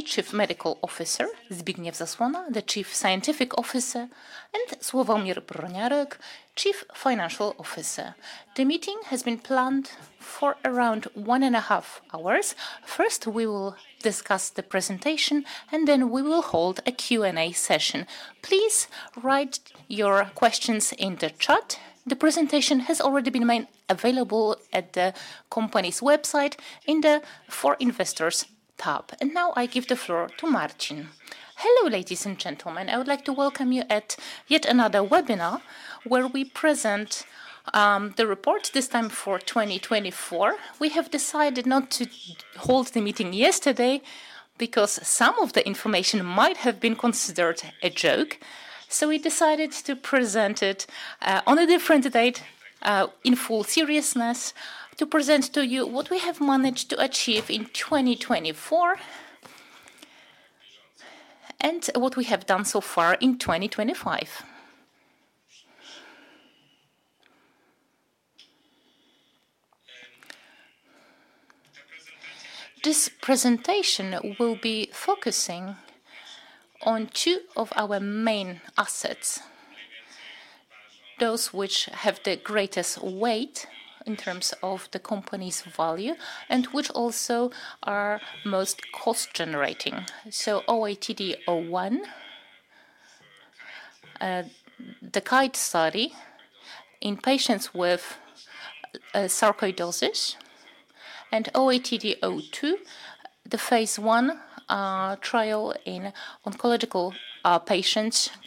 Chief Medical Officer Zbigniew Zasłona, the Chief Scientific Officer, and Sławomir Broniarek, Chief Financial Officer. The meeting has been planned for around one and a half hours. First, we will discuss the presentation, and then we will hold a Q&A session. Please write your questions in the chat. The presentation has already been made available at the company's website in the For Investors tab. Now I give the floor to Marcin. Hello, ladies and gentlemen. I would like to welcome you at yet another webinar where we present the report, this time for 2024. We have decided not to hold the meeting yesterday because some of the information might have been considered a joke. We decided to present it on a different date in full seriousness, to present to you what we have managed to achieve in 2024 and what we have done so far in 2025. This presentation will be focusing on two of our main assets, those which have the greatest weight in terms of the company's value and which also are most cost-generating. QATD-01, the GUIDE study in patients with sarcoidosis, and QATD-02, the phase I trial in oncological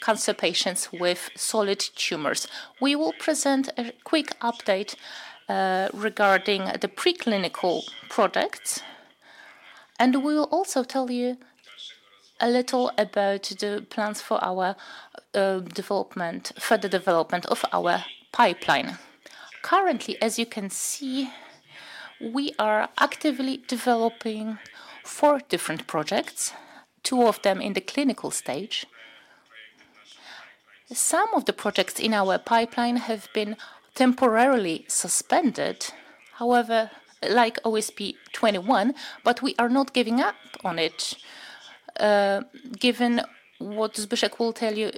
cancer patients with solid tumors. We will present a quick update regarding the preclinical products, and we will also tell you a little about the plans for further development of our pipeline. Currently, as you can see, we are actively developing four different projects, two of them in the clinical stage. Some of the projects in our pipeline have been temporarily suspended, however, like OSP21, but we are not giving up on it, given what Zbigniew will tell you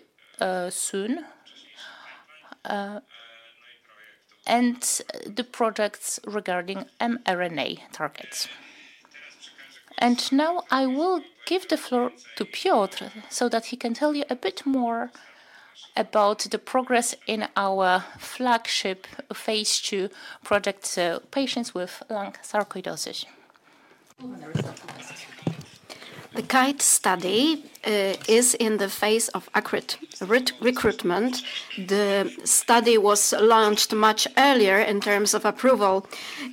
soon, and the projects regarding mRNA targets. Now I will give the floor to Piotr so that he can tell you a bit more about the progress in our flagship phase two project, patients with lung sarcoidosis. The GUIDE study is in the phase of accurate recruitment. The study was launched much earlier in terms of approval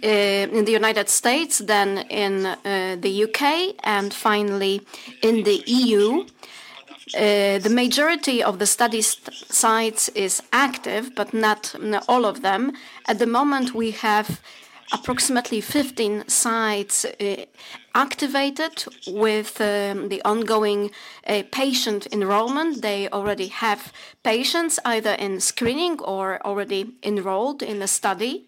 in the United States than in the U.K., and finally in the EU. The majority of the study sites is active, but not all of them. At the moment, we have approximately 15 sites activated with the ongoing patient enrollment. They already have patients either in screening or already enrolled in the study.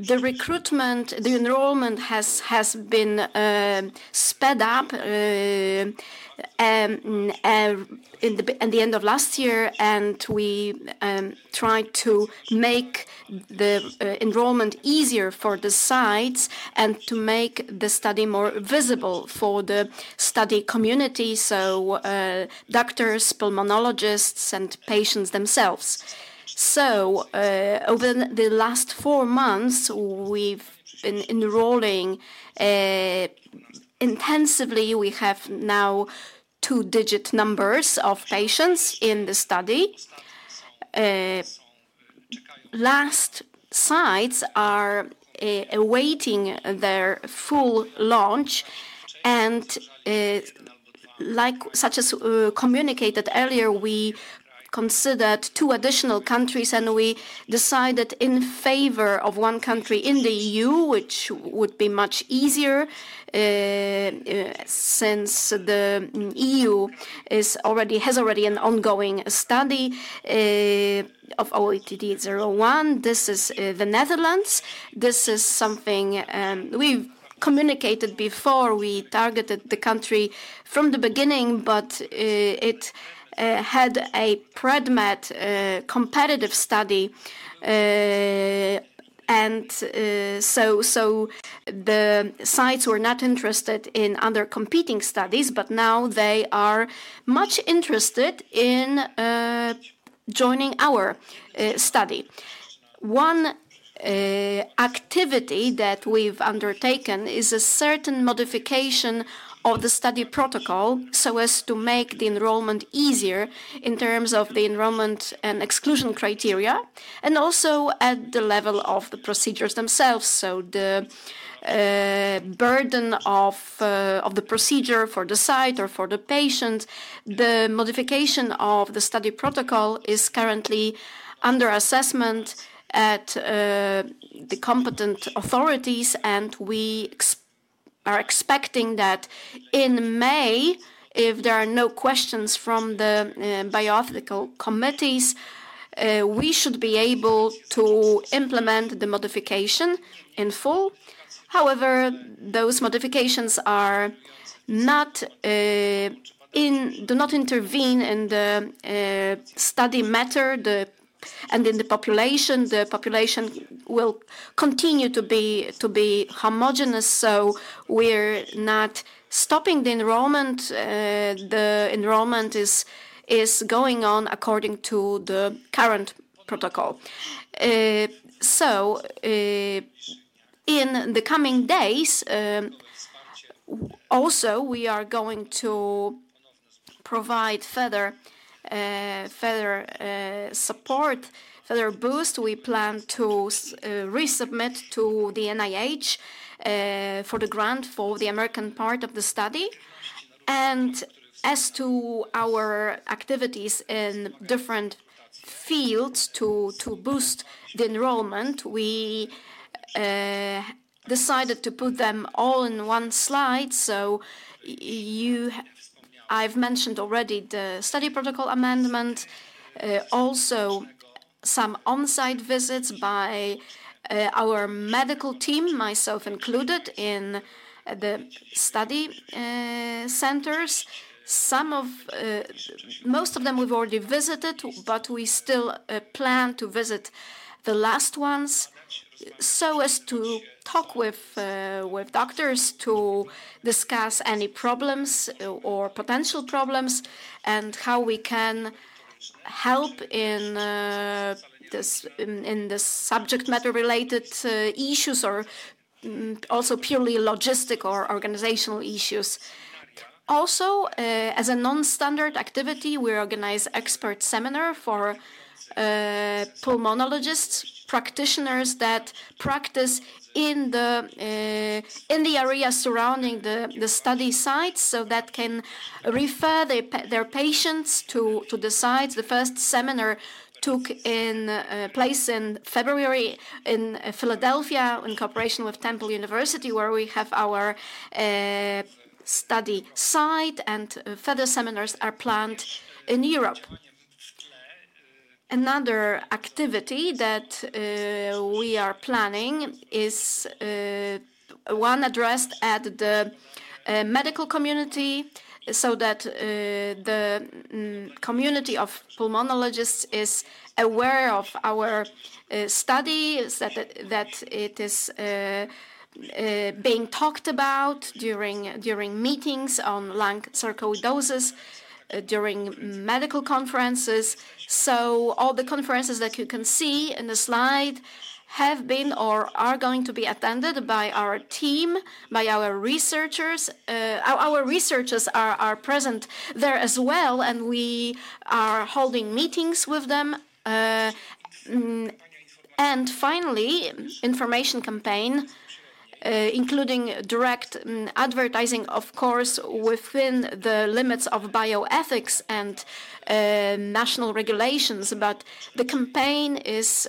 The recruitment, the enrollment has been sped up at the end of last year, and we tried to make the enrollment easier for the sites and to make the study more visible for the study community, so doctors, pulmonologists, and patients themselves. Over the last four months, we've been enrolling intensively. We have now two-digit numbers of patients in the study. Last sites are awaiting their full launch. Like such as communicated earlier, we considered two additional countries, and we decided in favor of one country in the EU, which would be much easier since the EU has already an ongoing study of QATD-01. This is the Netherlands. This is something we communicated before; we targeted the country from the beginning, but it had a premed competitive study. The sites were not interested in other competing studies, but now they are much interested in joining our study. One activity that we've undertaken is a certain modification of the study protocol so as to make the enrollment easier in terms of the enrollment and exclusion criteria, and also at the level of the procedures themselves. The burden of the procedure for the site or for the patient, the modification of the study protocol is currently under assessment at the competent authorities, and we are expecting that in May, if there are no questions from the bioethical committees, we should be able to implement the modification in full. However, those modifications do not intervene in the study matter and in the population. The population will continue to be homogenous, so we're not stopping the enrollment. The enrollment is going on according to the current protocol. In the coming days, also, we are going to provide further support, further boost. We plan to resubmit to the NIH for the grant for the American part of the study. As to our activities in different fields to boost the enrollment, we decided to put them all in one slide. I've mentioned already the study protocol amendment, also some on-site visits by our medical team, myself included in the study centers. Most of them we've already visited, but we still plan to visit the last ones so as to talk with doctors to discuss any problems or potential problems and how we can help in the subject matter-related issues or also purely logistical or organizational issues. Also, as a non-standard activity, we organize an expert seminar for pulmonologists, practitioners that practice in the area surrounding the study sites so that can refer their patients to the sites. The first seminar took place in February in Philadelphia in cooperation with Temple University, where we have our study site, and further seminars are planned in Europe. Another activity that we are planning is one addressed at the medical community so that the community of pulmonologists is aware of our study, that it is being talked about during meetings on lung sarcoidosis, during medical conferences. All the conferences that you can see in the slide have been or are going to be attended by our team, by our researchers. Our researchers are present there as well, and we are holding meetings with them. Finally, an information campaign, including direct advertising, of course, within the limits of bioethics and national regulations. The campaign is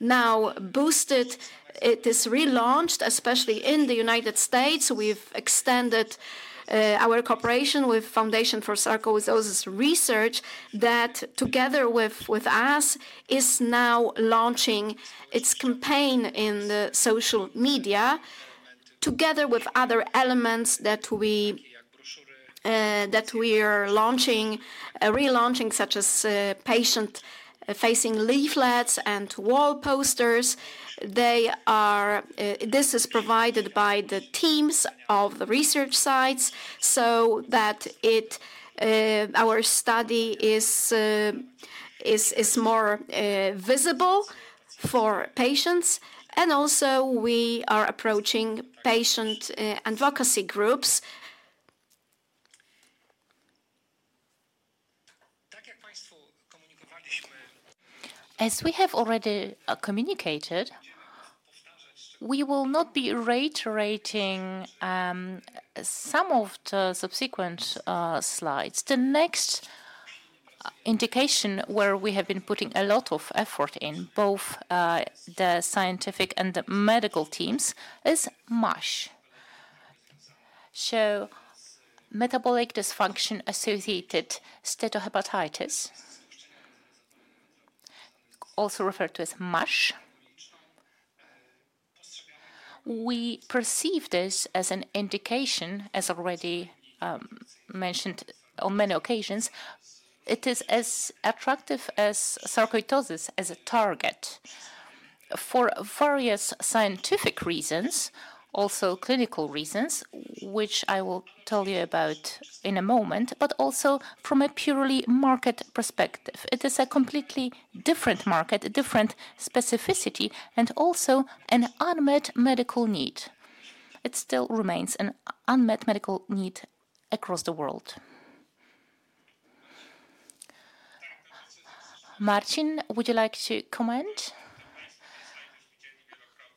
now boosted. It is relaunched, especially in the United States. We have extended our cooperation with the Foundation for Sarcoidosis Research that, together with us, is now launching its campaign in the social media together with other elements that we are relaunching, such as patient-facing leaflets and wall posters. This is provided by the teams of the research sites so that our study is more visible for patients. We are also approaching patient advocacy groups. As we have already communicated, we will not be reiterating some of the subsequent slides. The next indication where we have been putting a lot of effort in, both the scientific and the medical teams, is MASH. Metabolic dysfunction-associated steatohepatitis, also referred to as MASH. We perceive this as an indication, as already mentioned on many occasions. It is as attractive as sarcoidosis as a target for various scientific reasons, also clinical reasons, which I will tell you about in a moment, but also from a purely market perspective. It is a completely different market, a different specificity, and also an unmet medical need. It still remains an unmet medical need across the world. Marcin, would you like to comment?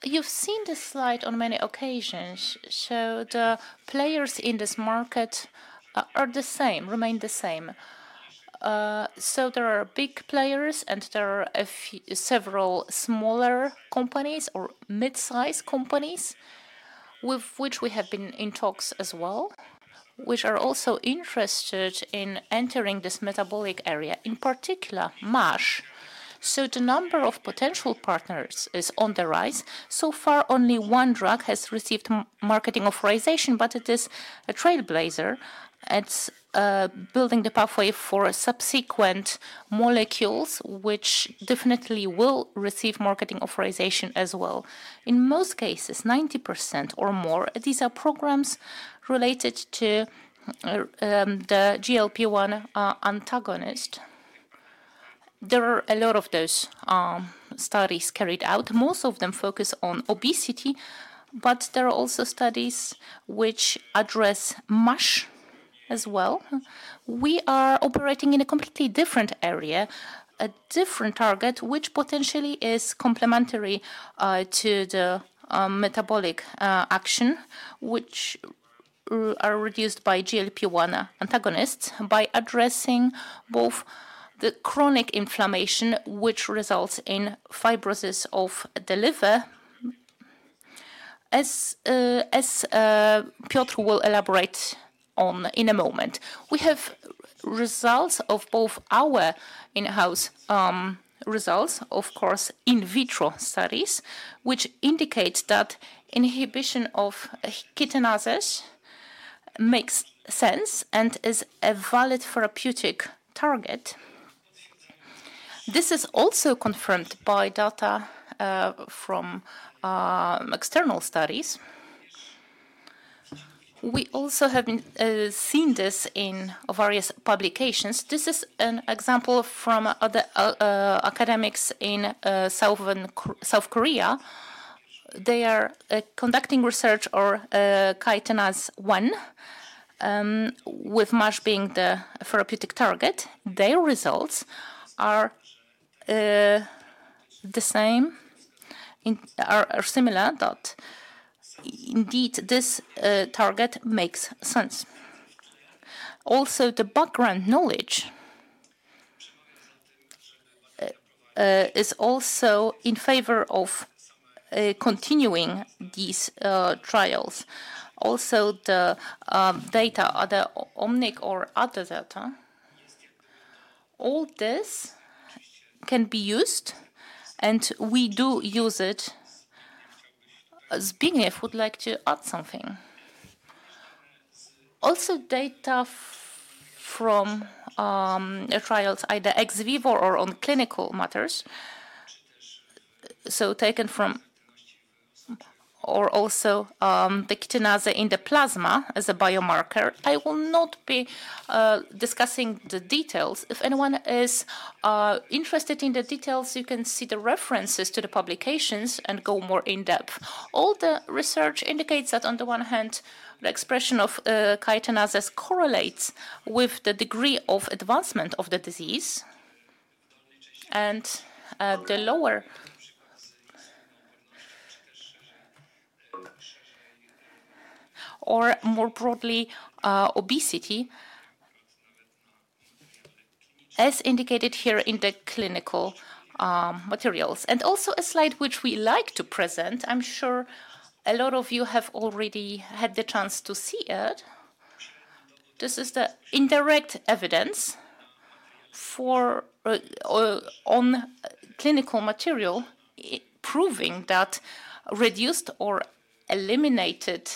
You've seen this slide on many occasions. The players in this market are the same, remain the same. There are big players, and there are several smaller companies or mid-sized companies with which we have been in talks as well, which are also interested in entering this metabolic area, in particular MASH. The number of potential partners is on the rise. So far, only one drug has received marketing authorization, but it is a trailblazer. It's building the pathway for subsequent molecules, which definitely will receive marketing authorization as well. In most cases, 90% or more, these are programs related to the GLP-1 antagonist. There are a lot of those studies carried out. Most of them focus on obesity, but there are also studies which address MASH as well. We are operating in a completely different area, a different target, which potentially is complementary to the metabolic action, which are reduced by GLP-1 antagonists by addressing both the chronic inflammation, which results in fibrosis of the liver, as Piotr will elaborate on in a moment. We have results of both our in-house results, of course, in vitro studies, which indicate that inhibition of kynureninase makes sense and is a valid therapeutic target. This is also confirmed by data from external studies. We also have seen this in various publications. This is an example from other academics in South Korea. They are conducting research on kynureninase 1, with MASH being the therapeutic target. Their results are the same, are similar, that indeed this target makes sense. Also, the background knowledge is also in favor of continuing these trials. Also, the data, other omics or other data, all this can be used, and we do use it. Zbigniew would like to add something. Also, data from trials, either ex vivo or on clinical matters, so taken from or also the kynureninase in the plasma as a biomarker. I will not be discussing the details. If anyone is interested in the details, you can see the references to the publications and go more in depth. All the research indicates that on the one hand, the expression of kynureninases correlates with the degree of advancement of the disease and the lower or more broadly obesity, as indicated here in the clinical materials. Also a slide which we like to present. I'm sure a lot of you have already had the chance to see it. This is the indirect evidence on clinical material proving that reduced or eliminated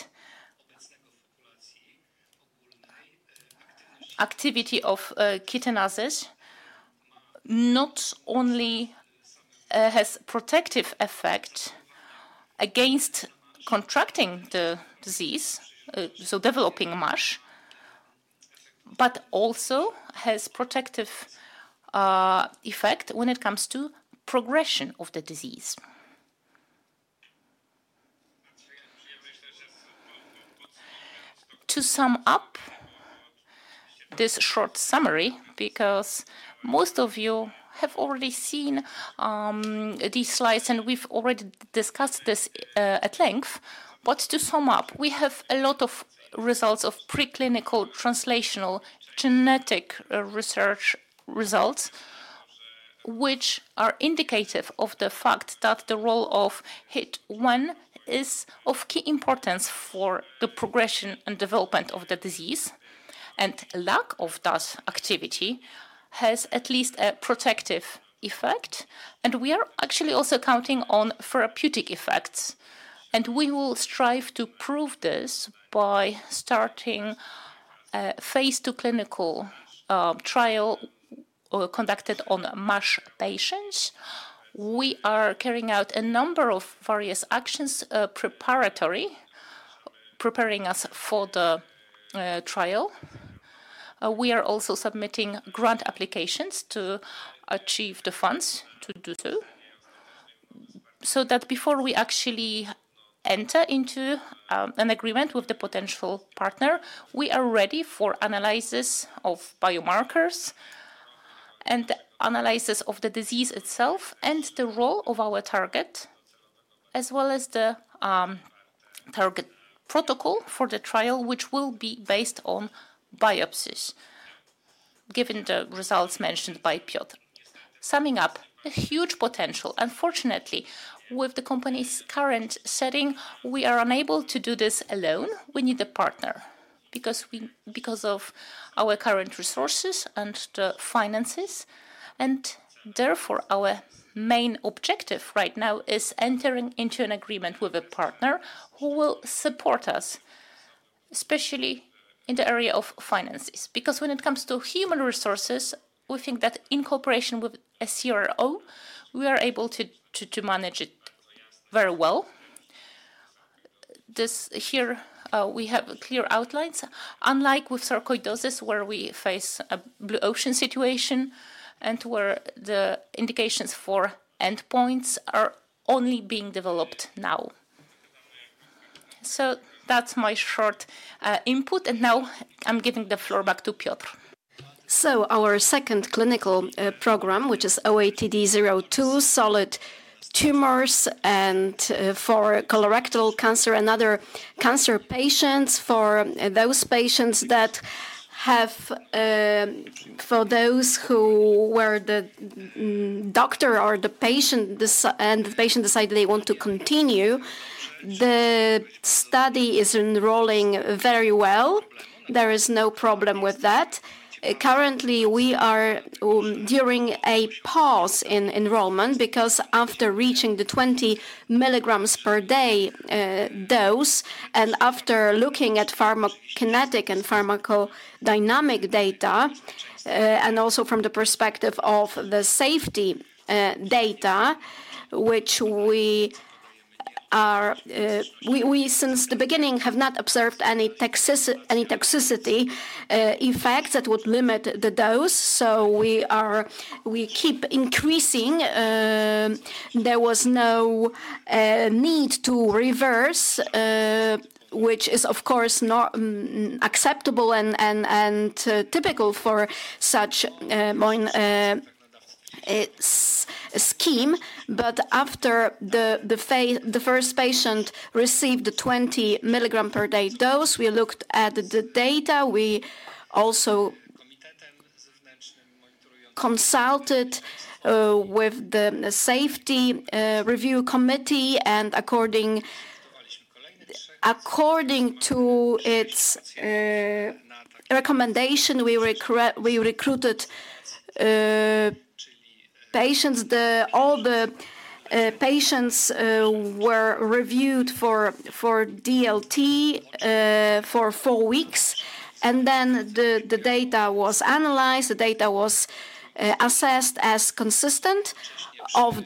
activity of kynureninases not only has a protective effect against contracting the disease, so developing MASH, but also has a protective effect when it comes to progression of the disease. To sum up this short summary, because most of you have already seen these slides and we've already discussed this at length, to sum up, we have a lot of results of preclinical translational genetic research results, which are indicative of the fact that the role of HIF-1 is of key importance for the progression and development of the disease. Lack of that activity has at least a protective effect. We are actually also counting on therapeutic effects. We will strive to prove this by starting a phase two clinical trial conducted on MASH patients. We are carrying out a number of various actions preparatory, preparing us for the trial. We are also submitting grant applications to achieve the funds to do so. That way, before we actually enter into an agreement with the potential partner, we are ready for analysis of biomarkers and analysis of the disease itself and the role of our target, as well as the target protocol for the trial, which will be based on biopsies, given the results mentioned by Piotr. Summing up, a huge potential. Unfortunately, with the company's current setting, we are unable to do this alone. We need a partner because of our current resources and finances. Therefore, our main objective right now is entering into an agreement with a partner who will support us, especially in the area of finances. Because when it comes to human resources, we think that in cooperation with a CRO, we are able to manage it very well. Here, we have clear outlines, unlike with sarcoidosis where we face a blue ocean situation and where the indications for endpoints are only being developed now. That is my short input. I am giving the floor back to Piotr. Our second clinical program, which is QATD-02, solid tumors and for colorectal cancer and other cancer patients, for those patients that have, for those who were the doctor or the patient and the patient decided they want to continue, the study is enrolling very well. There is no problem with that. Currently, we are during a pause in enrollment because after reaching the 20 milligrams per day dose and after looking at pharmacokinetic and pharmacodynamic data and also from the perspective of the safety data, which we are since the beginning have not observed any toxicity effects that would limit the dose. We keep increasing. There was no need to reverse, which is, of course, not acceptable and typical for such a scheme. After the first patient received the 20 milligram per day dose, we looked at the data. We also consulted with the safety review committee and according to its recommendation, we recruited patients. All the patients were reviewed for DLT for four weeks. The data was analyzed. The data was assessed as consistent of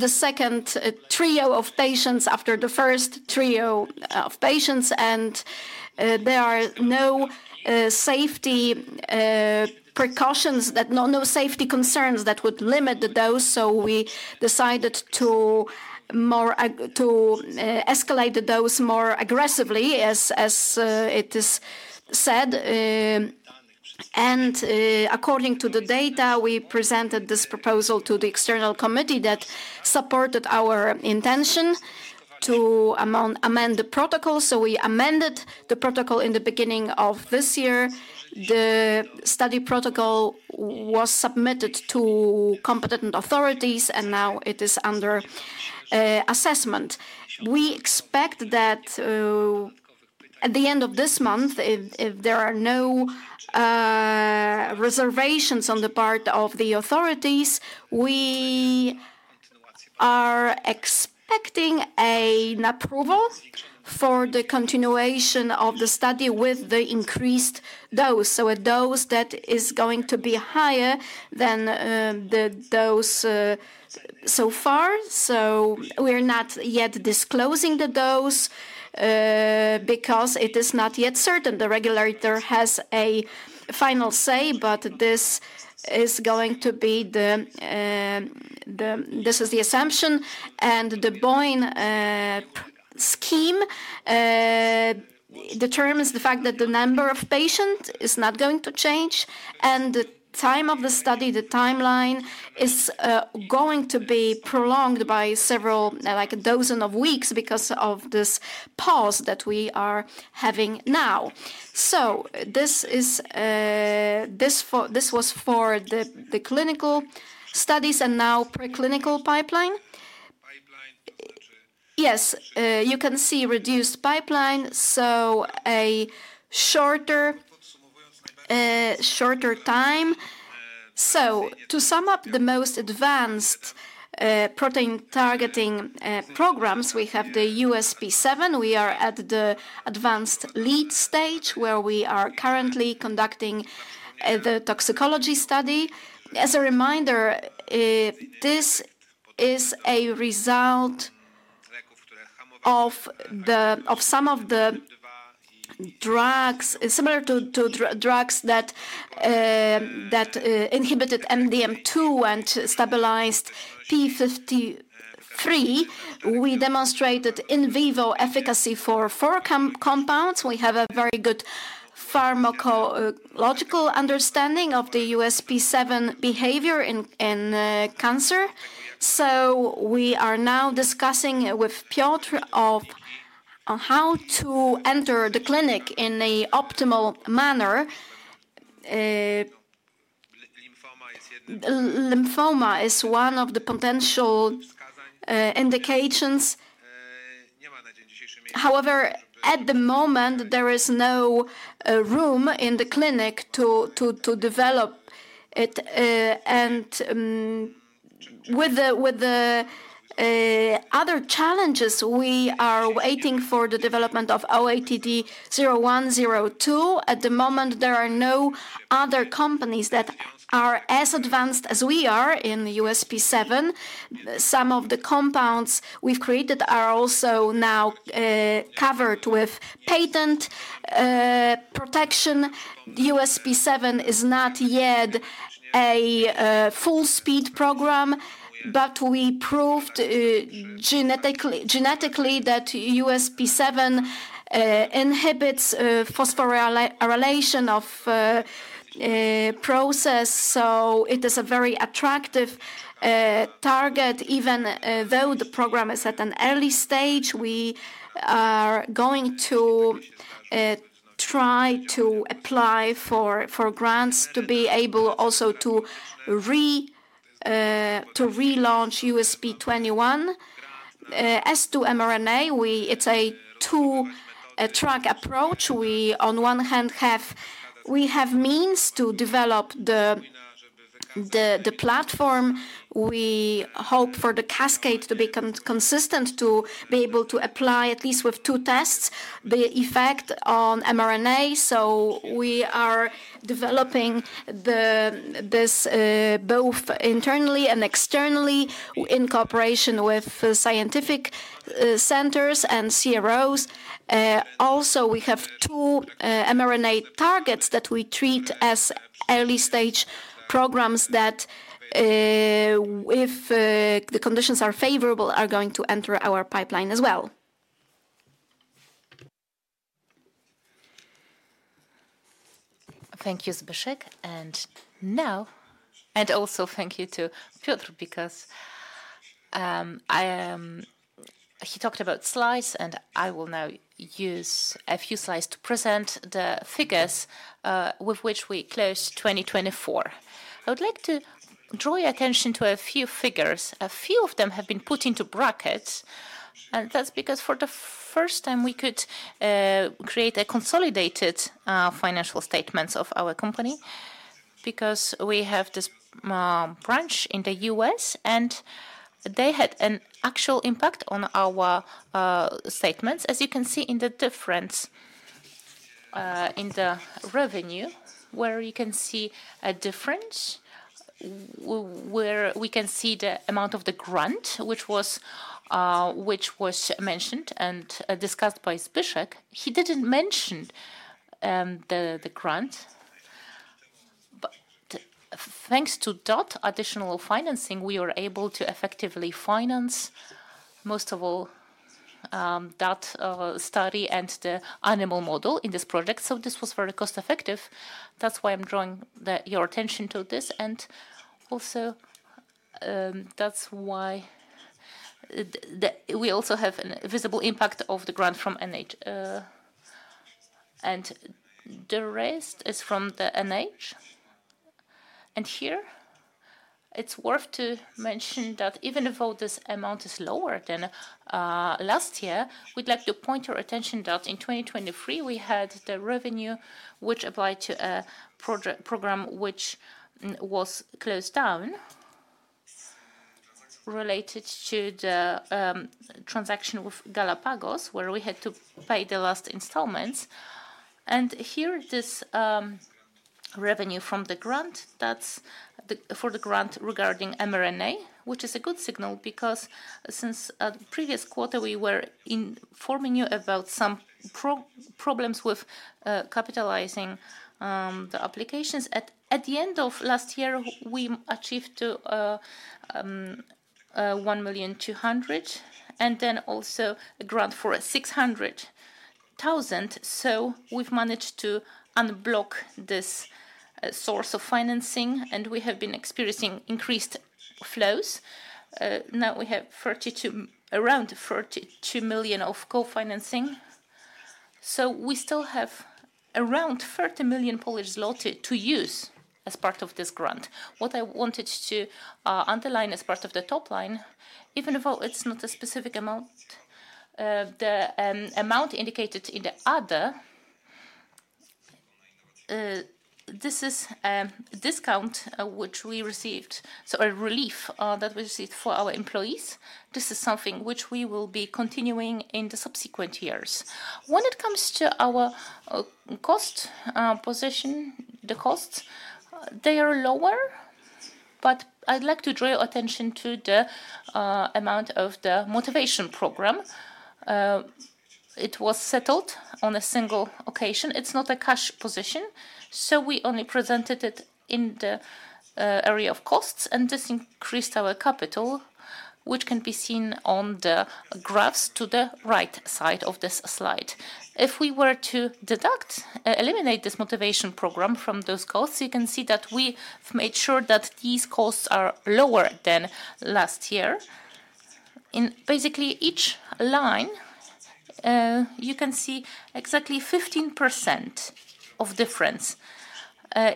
the second trio of patients after the first trio of patients. There are no safety precautions and no safety concerns that would limit the dose. We decided to escalate the dose more aggressively, as it is said. According to the data, we presented this proposal to the external committee that supported our intention to amend the protocol. We amended the protocol in the beginning of this year. The study protocol was submitted to competent authorities, and now it is under assessment. We expect that at the end of this month, if there are no reservations on the part of the authorities, we are expecting an approval for the continuation of the study with the increased dose. A dose that is going to be higher than the dose so far. We are not yet disclosing the dose because it is not yet certain. The regulator has a final say, but this is going to be the assumption. The BOIN scheme determines the fact that the number of patients is not going to change. The time of the study, the timeline, is going to be prolonged by several, like a dozen, weeks because of this pause that we are having now. This was for the clinical studies. Now, preclinical pipeline. Yes, you can see reduced pipeline, so a shorter time. To sum up, the most advanced protein targeting programs, we have the USP7. We are at the advanced lead stage where we are currently conducting the toxicology study. As a reminder, this is a result of some of the drugs similar to drugs that inhibited MDM2 and stabilized P53. We demonstrated in vivo efficacy for four compounds. We have a very good pharmacological understanding of the USP7 behavior in cancer. We are now discussing with Piotr on how to enter the clinic in an optimal manner. Lymphoma is one of the potential indications. However, at the moment, there is no room in the clinic to develop it. With the other challenges, we are waiting for the development of QATD 01-02. At the moment, there are no other companies that are as advanced as we are in the USP7. Some of the compounds we've created are also now covered with patent protection. USP7 is not yet a full-speed program, but we proved genetically that USP7 inhibits phosphorylation of process. It is a very attractive target. Even though the program is at an early stage, we are going to try to apply for grants to be able also to relaunch USP21. As to mRNA, it's a two-track approach. We on one hand have means to develop the platform. We hope for the cascade to be consistent to be able to apply at least with two tests the effect on mRNA. We are developing this both internally and externally in cooperation with scientific centers and CROs. Also, we have two mRNA targets that we treat as early-stage programs that if the conditions are favorable, are going to enter our pipeline as well. Thank you, Zbigniew. Thank you to Piotr, because he talked about slides, and I will now use a few slides to present the figures with which we closed 2024. I would like to draw your attention to a few figures. A few of them have been put into brackets. That's because for the first time, we could create a consolidated financial statement of our company because we have this branch in the United States, and they had an actual impact on our statements, as you can see in the difference in the revenue, where you can see a difference, where we can see the amount of the grant, which was mentioned and discussed by Zbigniew. He didn't mention the grant, but thanks to that additional financing, we were able to effectively finance most of all that study and the animal model in this project. This was very cost-effective. That's why I'm drawing your attention to this. That's why we also have a visible impact of the grant from NIH. The rest is from the NIH. Here, it's worth to mention that even though this amount is lower than last year, we'd like to point your attention that in 2023, we had the revenue which applied to a program which was closed down related to the transaction with Galapagos, where we had to pay the last installments. Here, this revenue from the grant, that's for the grant regarding mRNA, which is a good signal because since the previous quarter, we were informing you about some problems with capitalizing the applications. At the end of last year, we achieved 1,200,000, and then also a grant for 600,000. We've managed to unblock this source of financing, and we have been experiencing increased flows. Now we have around 42 million of co-financing. We still have around 30 million Polish zloty to use as part of this grant. What I wanted to underline as part of the top line, even though it's not a specific amount, the amount indicated in the other, this is a discount which we received, so a relief that we received for our employees. This is something which we will be continuing in the subsequent years. When it comes to our cost position, the costs, they are lower, but I'd like to draw your attention to the amount of the motivation program. It was settled on a single occasion. It's not a cash position, so we only presented it in the area of costs, and this increased our capital, which can be seen on the graphs to the right side of this slide. If we were to deduct, eliminate this motivation program from those costs, you can see that we've made sure that these costs are lower than last year. Basically, each line, you can see exactly 15% of difference,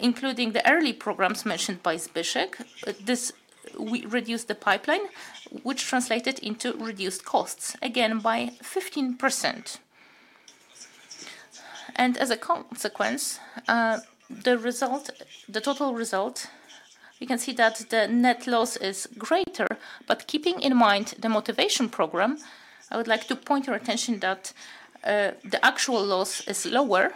including the early programs mentioned by Zbigniew. This reduced the pipeline, which translated into reduced costs, again, by 15%. As a consequence, the result, the total result, you can see that the net loss is greater, but keeping in mind the motivation program, I would like to point your attention that the actual loss is lower,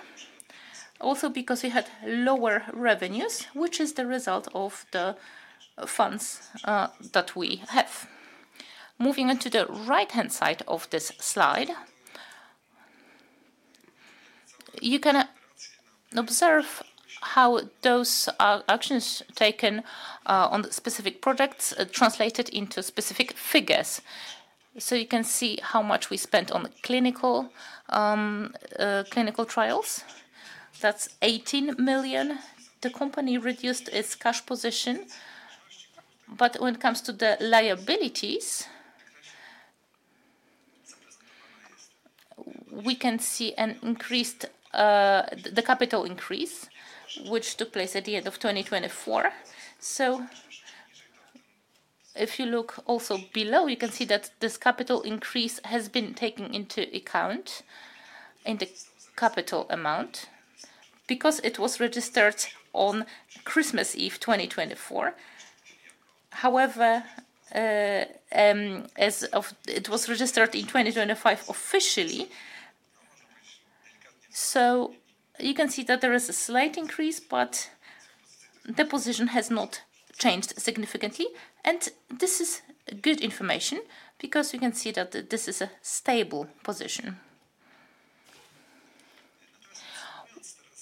also because we had lower revenues, which is the result of the funds that we have. Moving into the right-hand side of this slide, you can observe how those actions taken on specific projects translated into specific figures. You can see how much we spent on clinical trials. That's 18 million. The company reduced its cash position, but when it comes to the liabilities, we can see an increased the capital increase, which took place at the end of 2024. If you look also below, you can see that this capital increase has been taken into account in the capital amount because it was registered on Christmas Eve 2024. However, as it was registered in 2025 officially, you can see that there is a slight increase, but the position has not changed significantly. This is good information because we can see that this is a stable position.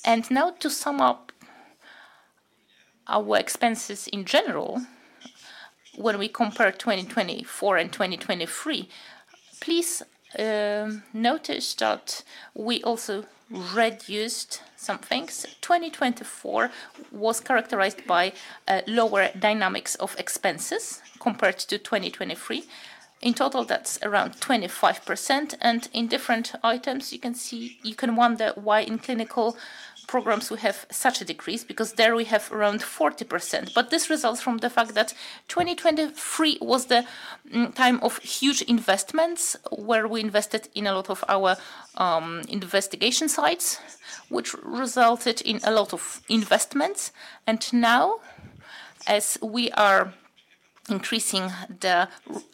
Now to sum up our expenses in general, when we compare 2024 and 2023, please notice that we also reduced some things. 2024 was characterized by lower dynamics of expenses compared to 2023. In total, that is around 25%. In different items, you can see you can wonder why in clinical programs we have such a decrease because there we have around 40%. This results from the fact that 2023 was the time of huge investments where we invested in a lot of our investigation sites, which resulted in a lot of investments. Now, as we are increasing the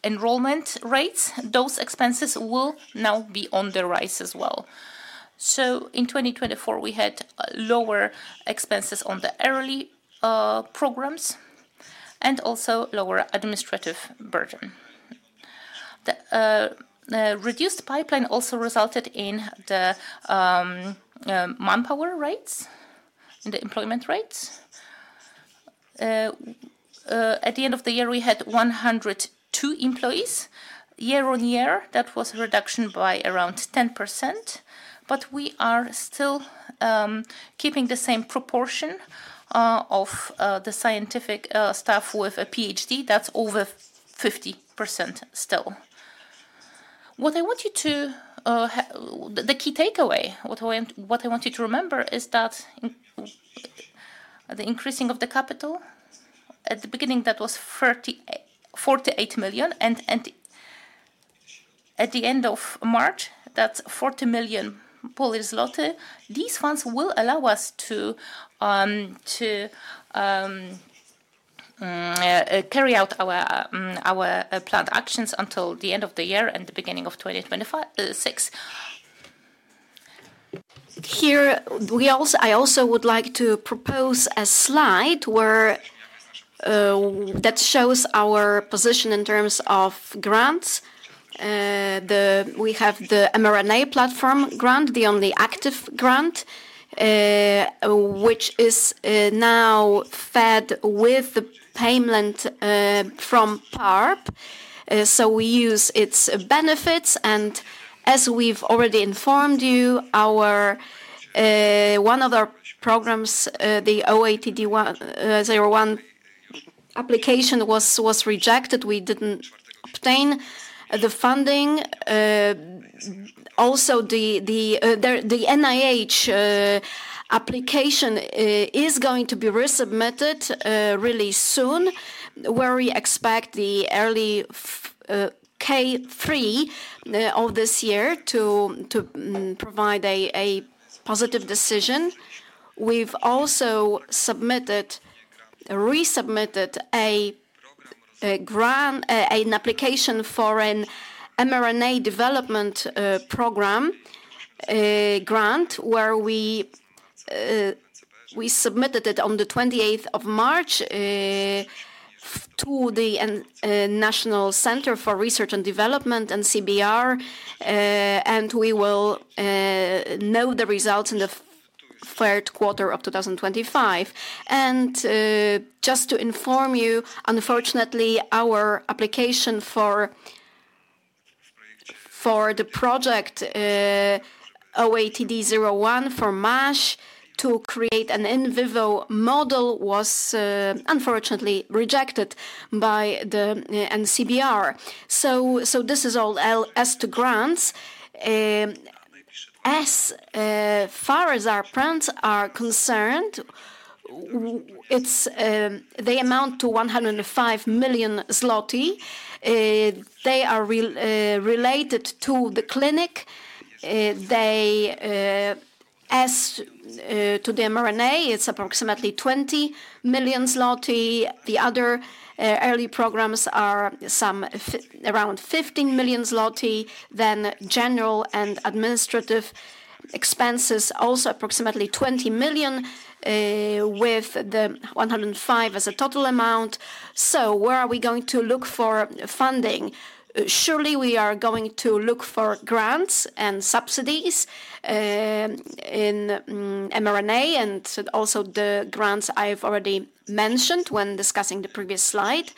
enrollment rates, those expenses will now be on the rise as well. In 2024, we had lower expenses on the early programs and also lower administrative burden. The reduced pipeline also resulted in the manpower rates and the employment rates. At the end of the year, we had 102 employees. Year on year, that was a reduction by around 10%, but we are still keeping the same proportion of the scientific staff with a PhD. That's over 50% still. What I want you to, the key takeaway, what I want you to remember is that the increasing of the capital, at the beginning, that was 48 million, and at the end of March, that's 40 million Polish zloty. These funds will allow us to carry out our planned actions until the end of the year and the beginning of 2026. Here, I also would like to propose a slide that shows our position in terms of grants. We have the mRNA platform grant, the only active grant, which is now fed with the payment from PARP. We use its benefits. As we've already informed you, one of our programs, the QATD-01 application was rejected. We didn't obtain the funding. Also, the NIH application is going to be resubmitted really soon, where we expect the early Q3 of this year to provide a positive decision. We've also submitted, resubmitted a grant, an application for an mRNA development program grant, where we submitted it on the 28th of March to the National Center for Research and Development, NCBR, and we will know the results in the third quarter of 2025. Just to inform you, unfortunately, our application for the project QATD-01 for MASH to create an in vivo model was unfortunately rejected by the NCBR. This is all as to grants. As far as our plans are concerned, they amount to 105 million zloty. They are related to the clinic. As to the mRNA, it's approximately 20 million zlotys. The other early programs are around 15 million zlotys. General and administrative expenses also approximately 20 million, with the 105 million as a total amount. Where are we going to look for funding? Surely, we are going to look for grants and subsidies in mRNA and also the grants I have already mentioned when discussing the previous slide.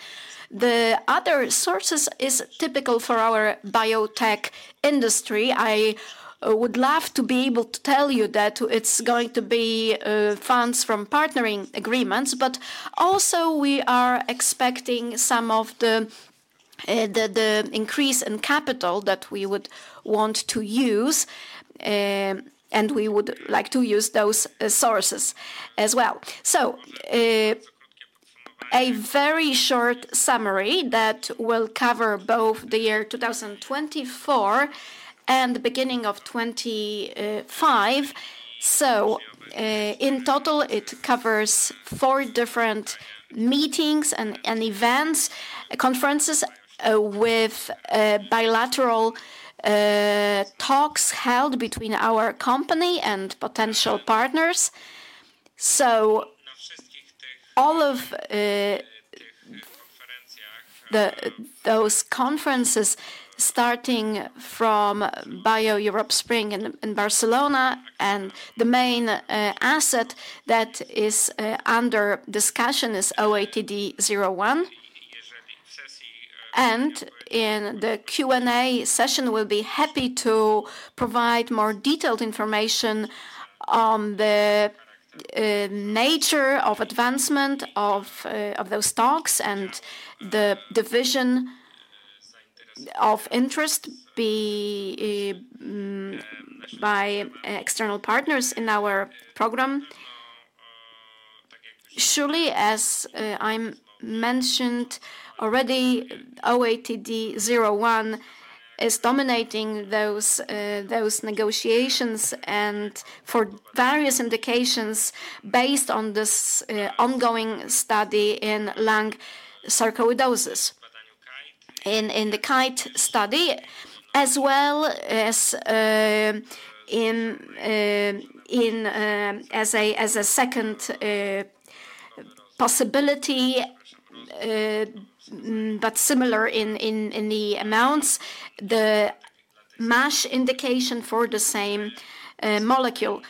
The other sources is typical for our biotech industry. I would love to be able to tell you that it is going to be funds from partnering agreements, but also we are expecting some of the increase in capital that we would want to use, and we would like to use those sources as well. A very short summary that will cover both the year 2024 and the beginning of 2025. In total, it covers four different meetings and events, conferences with bilateral talks held between our company and potential partners. All of those conferences, starting from BioEurope Spring in Barcelona, and the main asset that is under discussion is QATD-01. In the Q&A session, we'll be happy to provide more detailed information on the nature of advancement of those talks and the division of interest by external partners in our program. Surely, as I mentioned already, QATD-01 is dominating those negotiations and for various indications based on this ongoing study in lung sarcoidosis in the GUIDE study, as well as as a second possibility, but similar in the amounts, the MASH indication for the same molecule.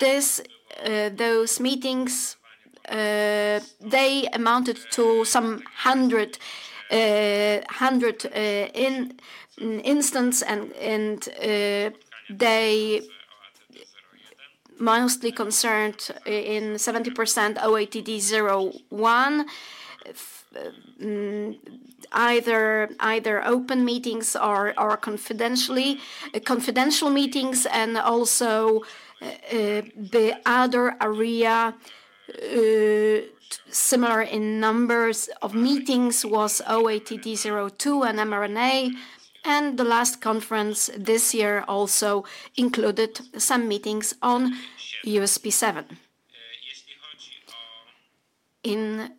Those meetings amounted to some 100 instances, and they mostly concerned in 70% QATD-01, either open meetings or confidential meetings. The other area, similar in numbers of meetings, was QATD-02 and mRNA. The last conference this year also included some meetings on USP7. In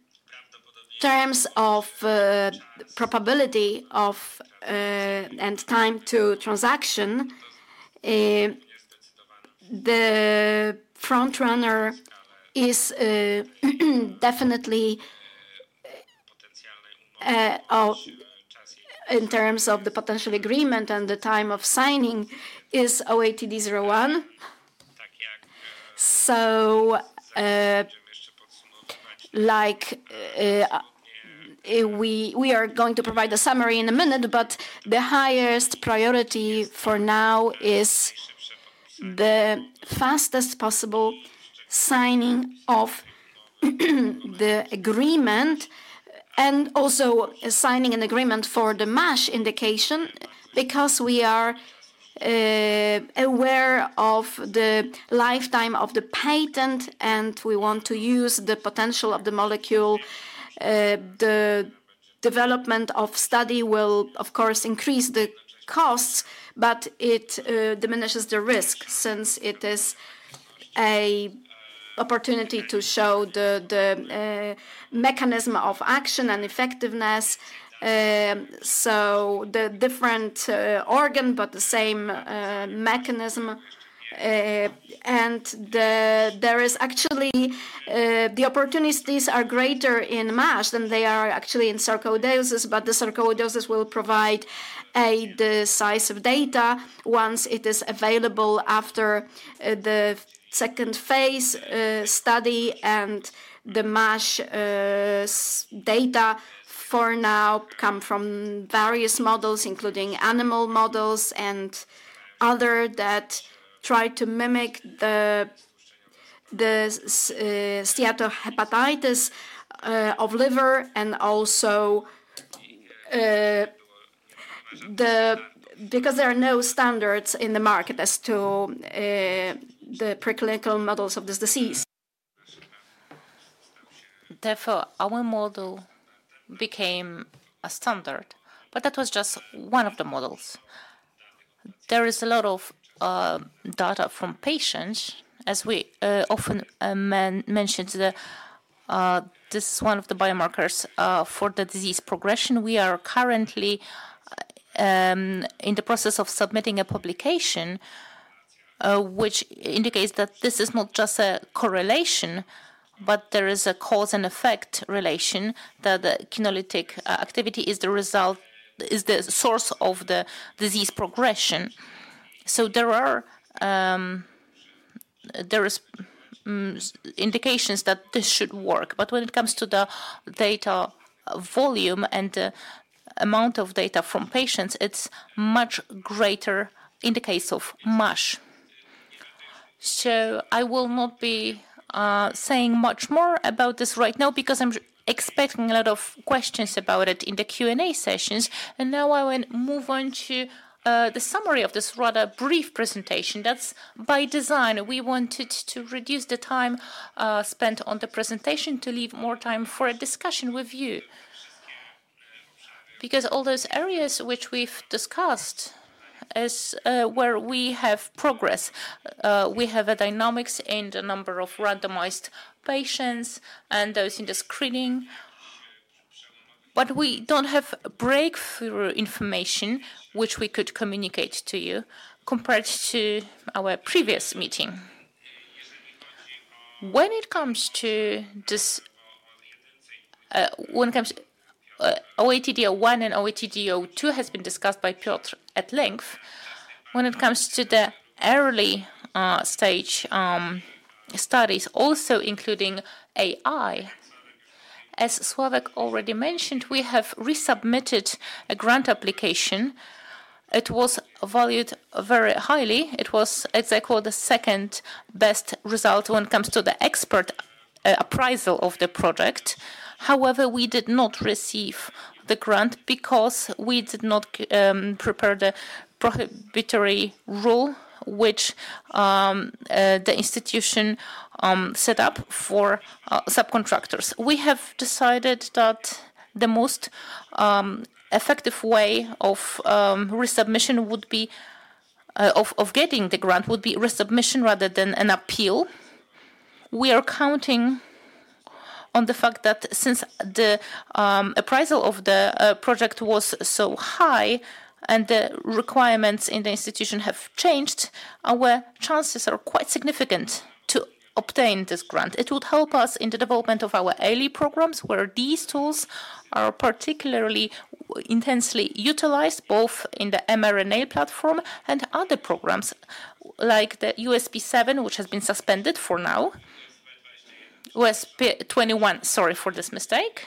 terms of the probability and time to transaction, the frontrunner is definitely in terms of the potential agreement and the time of signing is QATD-01. We are going to provide a summary in a minute, but the highest priority for now is the fastest possible signing of the agreement and also signing an agreement for the MASH indication because we are aware of the lifetime of the patent, and we want to use the potential of the molecule. The development of study will, of course, increase the costs, but it diminishes the risk since it is an opportunity to show the mechanism of action and effectiveness. The different organ, but the same mechanism. There is actually the opportunities are greater in MASH than they are actually in sarcoidosis, but the sarcoidosis will provide a size of data once it is available after the second phase study. The MASH data for now come from various models, including animal models and others that try to mimic the steatohepatitis of liver and also because there are no standards in the market as to the preclinical models of this disease. Therefore, our model became a standard, but that was just one of the models. There is a lot of data from patients, as we often mentioned. This is one of the biomarkers for the disease progression. We are currently in the process of submitting a publication which indicates that this is not just a correlation, but there is a cause-and-effect relation that the kinolytic activity is the result, is the source of the disease progression. There are indications that this should work. When it comes to the data volume and the amount of data from patients, it's much greater in the case of MASH. I will not be saying much more about this right now because I'm expecting a lot of questions about it in the Q&A sessions. Now I will move on to the summary of this rather brief presentation. That's by design. We wanted to reduce the time spent on the presentation to leave more time for a discussion with you because all those areas which we've discussed is where we have progress. We have a dynamics in the number of randomized patients and those in the screening, but we don't have breakthrough information which we could communicate to you compared to our previous meeting. When it comes to this QATD-01 and QATD-02 has been discussed by Piotr at length. When it comes to the early stage studies, also including AI, as already mentioned, we have resubmitted a grant application. It was valued very highly. It was, as I call, the second best result when it comes to the expert appraisal of the project. However, we did not receive the grant because we did not prepare the prohibitory rule which the institution set up for subcontractors. We have decided that the most effective way of getting the grant would be resubmission rather than an appeal. We are counting on the fact that since the appraisal of the project was so high and the requirements in the institution have changed, our chances are quite significant to obtain this grant. It would help us in the development of our early programs where these tools are particularly intensely utilized, both in the mRNA platform and other programs like USP7, which has been suspended for now, USP21, sorry for this mistake,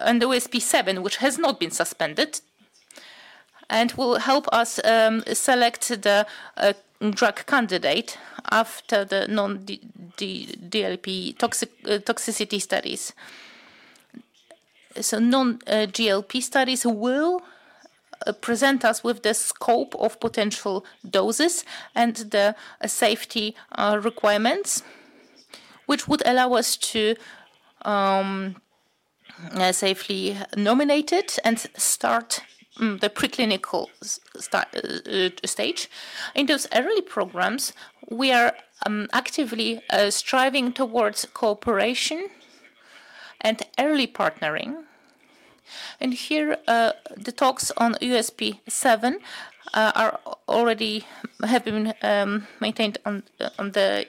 and USP7, which has not been suspended, and will help us select the drug candidate after the non-GLP toxicity studies. Non-GLP studies will present us with the scope of potential doses and the safety requirements, which would allow us to safely nominate it and start the preclinical stage. In those early programs, we are actively striving towards cooperation and early partnering. Here, the talks on USP7 have been maintained on the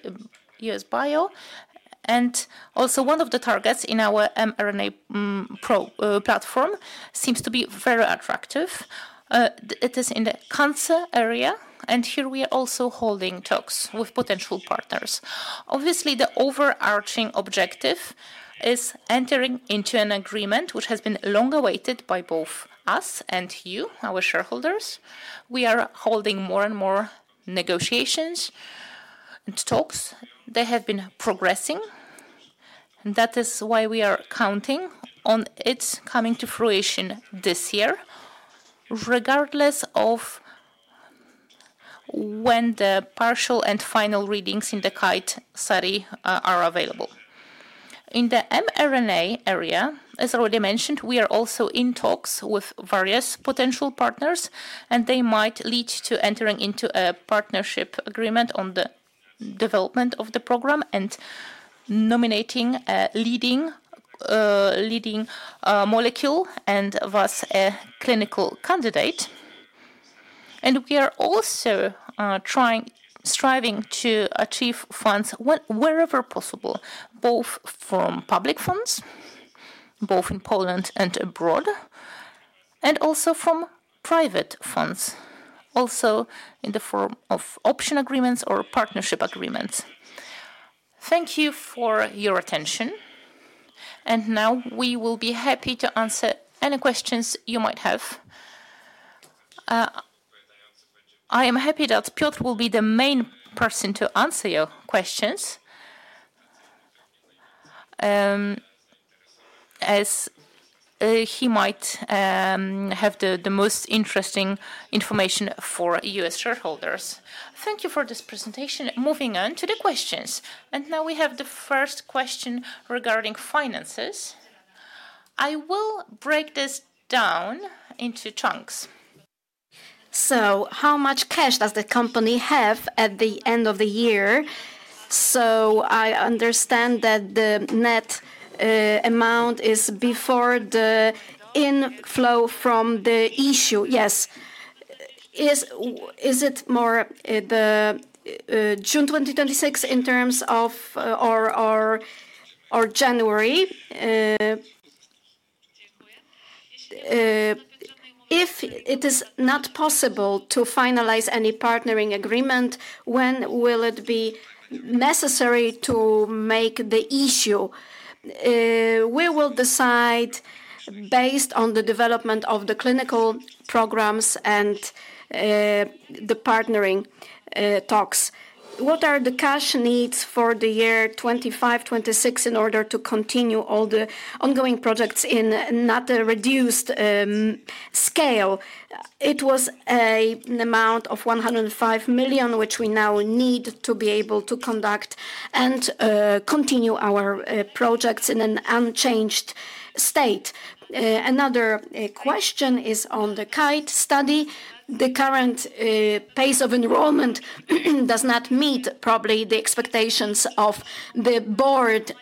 BIO-US. Also, one of the targets in our mRNA platform seems to be very attractive. It is in the cancer area, and here we are also holding talks with potential partners. Obviously, the overarching objective is entering into an agreement which has been long awaited by both us and you, our shareholders. We are holding more and more negotiations and talks. They have been progressing, and that is why we are counting on it coming to fruition this year, regardless of when the partial and final readings in the Guide study are available. In the mRNA area, as already mentioned, we are also in talks with various potential partners, and they might lead to entering into a partnership agreement on the development of the program and nominating a leading molecule and thus a clinical candidate. We are also striving to achieve funds wherever possible, both from public funds, both in Poland and abroad, and also from private funds, also in the form of option agreements or partnership agreements. Thank you for your attention. Now we will be happy to answer any questions you might have. I am happy that Piotr will be the main person to answer your questions as he might have the most interesting information for US shareholders. Thank you for this presentation. Moving on to the questions. We have the first question regarding finances. I will break this down into chunks. How much cash does the company have at the end of the year? I understand that the net amount is before the inflow from the issue. Yes. Is it more the June 2026 in terms of or January? If it is not possible to finalize any partnering agreement, when will it be necessary to make the issue? We will decide based on the development of the clinical programs and the partnering talks. What are the cash needs for the year 2025-2026 in order to continue all the ongoing projects in not a reduced scale? It was an amount of 105 million, which we now need to be able to conduct and continue our projects in an unchanged state. Another question is on the Guide study. The current pace of enrollment does not meet probably the expectations of the board.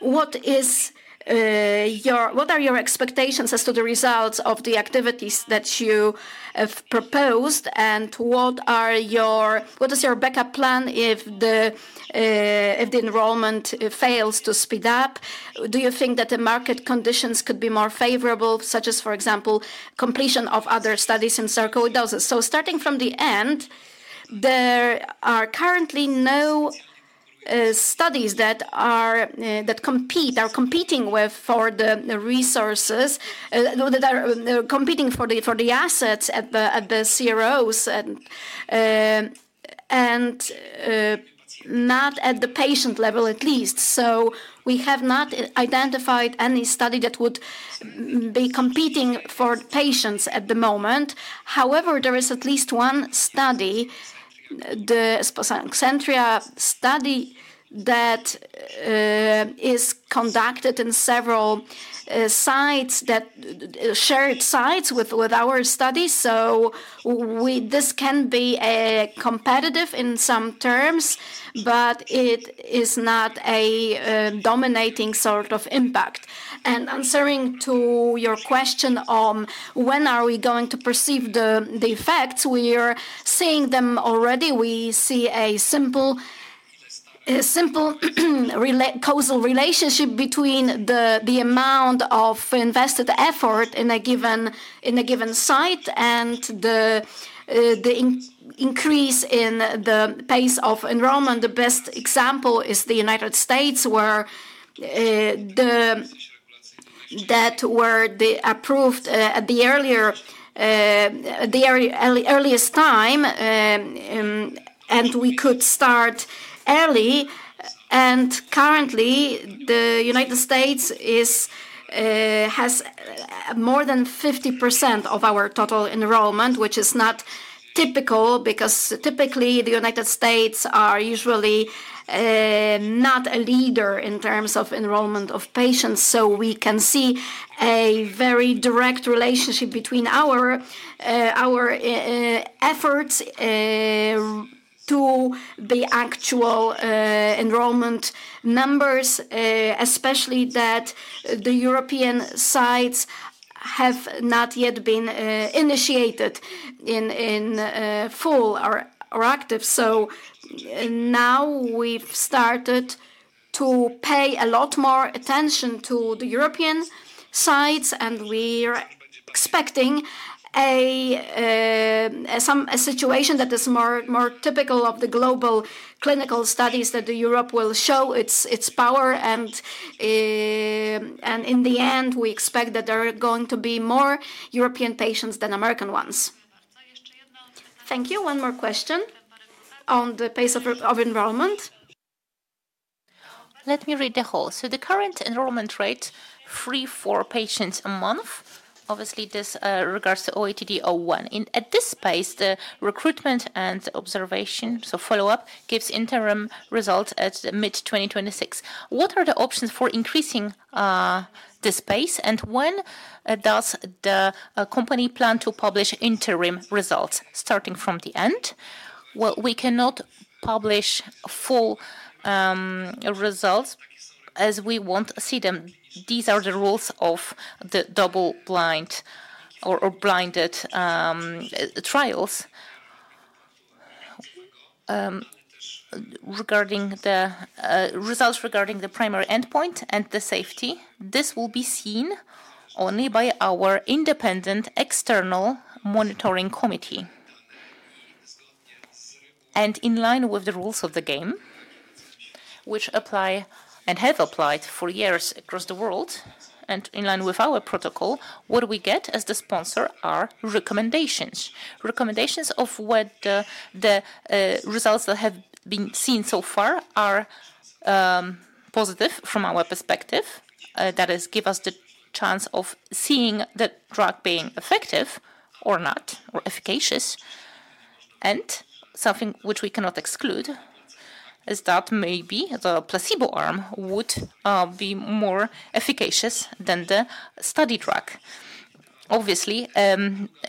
What are your expectations as to the results of the activities that you have proposed, and what is your backup plan if the enrollment fails to speed up? Do you think that the market conditions could be more favorable, such as, for example, completion of other studies in sarcoidosis? Starting from the end, there are currently no studies that are competing for the resources, that are competing for the assets at the CROs and not at the patient level at least. We have not identified any study that would be competing for patients at the moment. However, there is at least one study, the Spasantria study, that is conducted in several sites, shared sites with our studies. This can be competitive in some terms, but it is not a dominating sort of impact. Answering to your question on when are we going to perceive the effects, we are seeing them already. We see a simple causal relationship between the amount of invested effort in a given site and the increase in the pace of enrollment. The best example is the United States, where that were approved at the earliest time, and we could start early. Currently, the United States has more than 50% of our total enrollment, which is not typical because typically the United States are usually not a leader in terms of enrollment of patients. We can see a very direct relationship between our efforts to the actual enrollment numbers, especially that the European sites have not yet been initiated in full or active. Now we've started to pay a lot more attention to the European sites, and we're expecting a situation that is more typical of the global clinical studies that Europe will show its power. In the end, we expect that there are going to be more European patients than American ones. Thank you. One more question on the pace of enrollment. Let me read the whole. The current enrollment rate, three for patients a month, obviously this regards to QATD-01. At this pace, the recruitment and observation, so follow-up, gives interim results at mid-2026. What are the options for increasing this pace? When does the company plan to publish interim results starting from the end? We cannot publish full results as we won't see them. These are the rules of the double-blind or blinded trials. Regarding the results regarding the primary endpoint and the safety, this will be seen only by our independent external monitoring committee. In line with the rules of the game, which apply and have applied for years across the world, and in line with our protocol, what we get as the sponsor are recommendations. Recommendations of what the results that have been seen so far are positive from our perspective. That is, give us the chance of seeing the drug being effective or not, or efficacious. Something which we cannot exclude is that maybe the placebo arm would be more efficacious than the study drug. Obviously,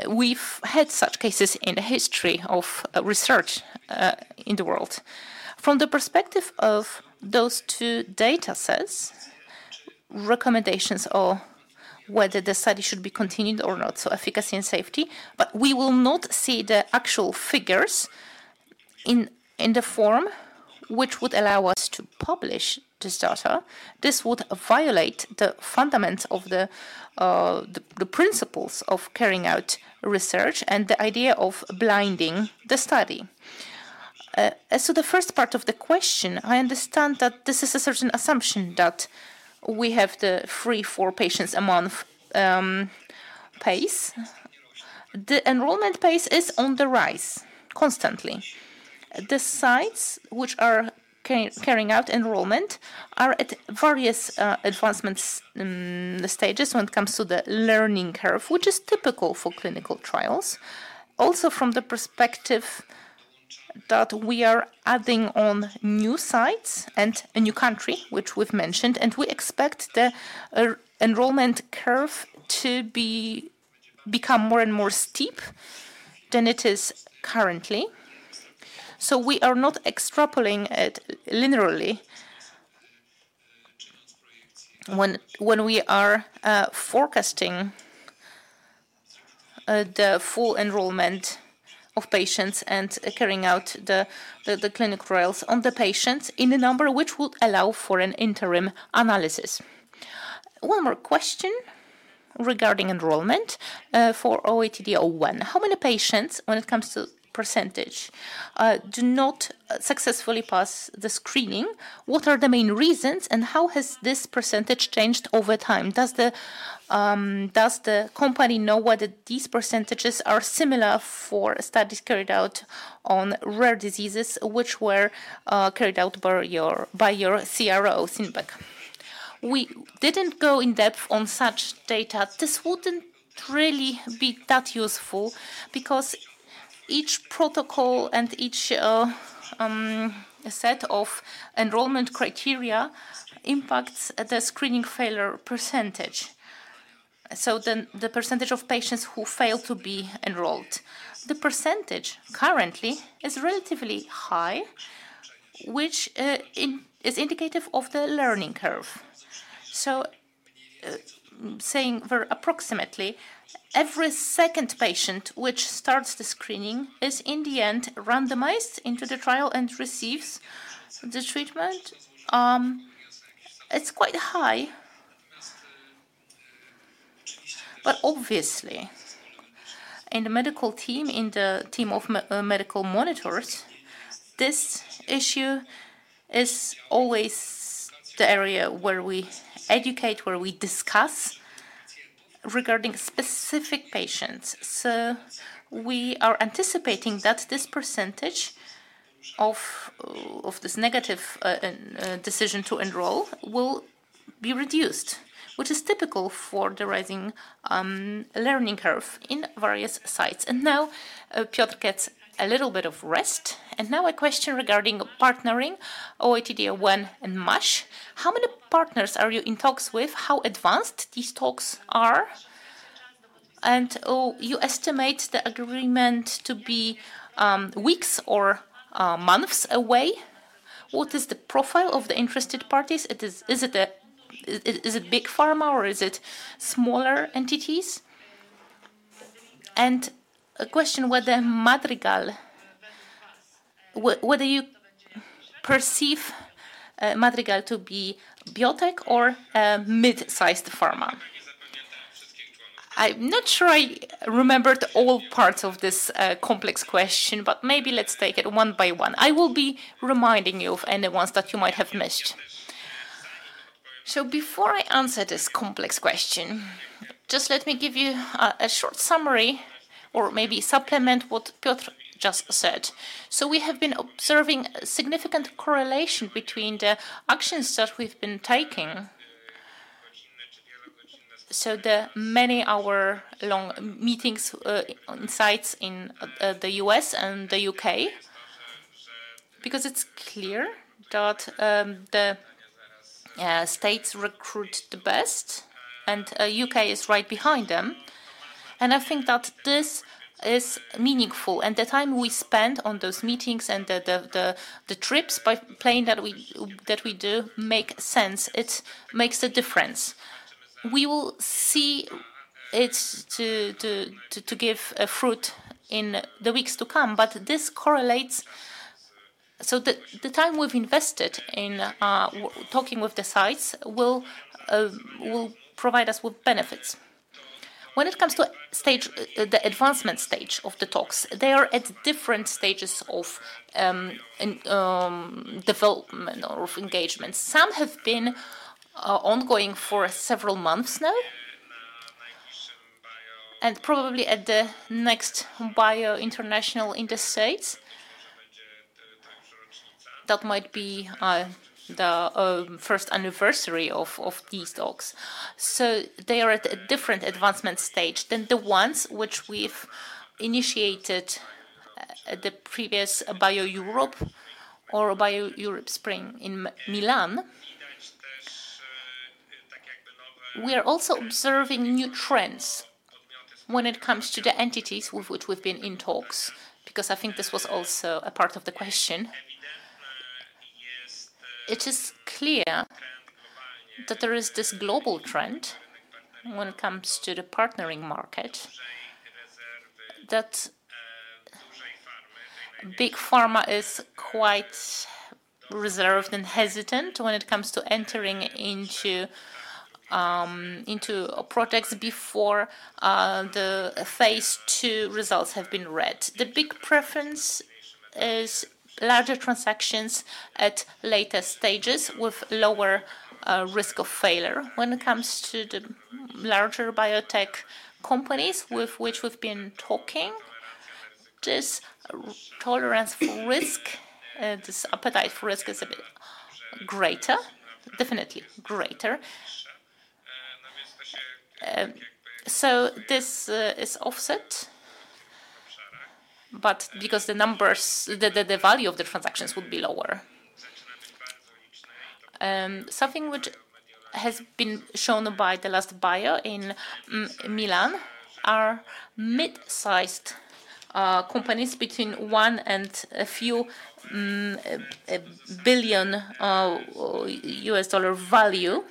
we've had such cases in the history of research in the world. From the perspective of those two data sets, recommendations on whether the study should be continued or not, so efficacy and safety, but we will not see the actual figures in the form which would allow us to publish this data. This would violate the fundaments of the principles of carrying out research and the idea of blinding the study. As to the first part of the question, I understand that this is a certain assumption that we have the three for patients a month pace. The enrollment pace is on the rise constantly. The sites which are carrying out enrollment are at various advancement stages when it comes to the learning curve, which is typical for clinical trials. Also, from the perspective that we are adding on new sites and a new country, which we've mentioned, we expect the enrollment curve to become more and more steep than it is currently. We are not extrapolating it linearly when we are forecasting the full enrollment of patients and carrying out the clinical trials on the patients in the number which would allow for an interim analysis. One more question regarding enrollment for QATD-01. How many patients, when it comes to %, do not successfully pass the screening? What are the main reasons, and how has this % changed over time? Does the company know whether these percentages are similar for studies carried out on rare diseases which were carried out by your CRO, Syneos? We did not go in depth on such data. This would not really be that useful because each protocol and each set of enrollment criteria impacts the screening failure %. The % of patients who fail to be enrolled, the % currently is relatively high, which is indicative of the learning curve. Approximately, every second patient who starts the screening is in the end randomized into the trial and receives the treatment. It is quite high. Obviously, in the medical team, in the team of medical monitors, this issue is always the area where we educate, where we discuss regarding specific patients. We are anticipating that this % of this negative decision to enroll will be reduced, which is typical for the rising learning curve in various sites. Piotr gets a little bit of rest. A question regarding partnering QATD-01 and MASH. How many partners are you in talks with? How advanced these talks are? Do you estimate the agreement to be weeks or months away? What is the profile of the interested parties? Is it big pharma or is it smaller entities? A question whether Madrigal, whether you perceive Madrigal to be biotech or a mid-sized pharma. I'm not sure I remembered all parts of this complex question, but maybe let's take it one by one. I will be reminding you of any ones that you might have missed. Before I answer this complex question, just let me give you a short summary or maybe supplement what Piotr just said. We have been observing a significant correlation between the actions that we've been taking, the many hour-long meetings in sites in the U.S. and the U.K., because it's clear that the states recruit the best, and the U.K. is right behind them. I think that this is meaningful. The time we spend on those meetings and the trips by plane that we do makes sense. It makes a difference. We will see it give fruit in the weeks to come, but this correlates. The time we've invested in talking with the sites will provide us with benefits. When it comes to the advancement stage of the talks, they are at different stages of development or engagement. Some have been ongoing for several months now, and probably at the next bio-international in the United States. That might be the first anniversary of these talks. They are at a different advancement stage than the ones which we've initiated at the previous Bio-Europe or Bio-Europe Spring in Milan. We are also observing new trends when it comes to the entities with which we've been in talks, because I think this was also a part of the question. It is clear that there is this global trend when it comes to the partnering market, that big pharma is quite reserved and hesitant when it comes to entering into projects before the phase two results have been read. The big preference is larger transactions at later stages with lower risk of failure. When it comes to the larger biotech companies with which we've been talking, this tolerance for risk, this appetite for risk is a bit greater, definitely greater. This is offset, because the numbers, the value of the transactions would be lower. Something which has been shown by the last Bio-Europe in Milan are mid-sized companies between $1 billion and a few billion US dollar value,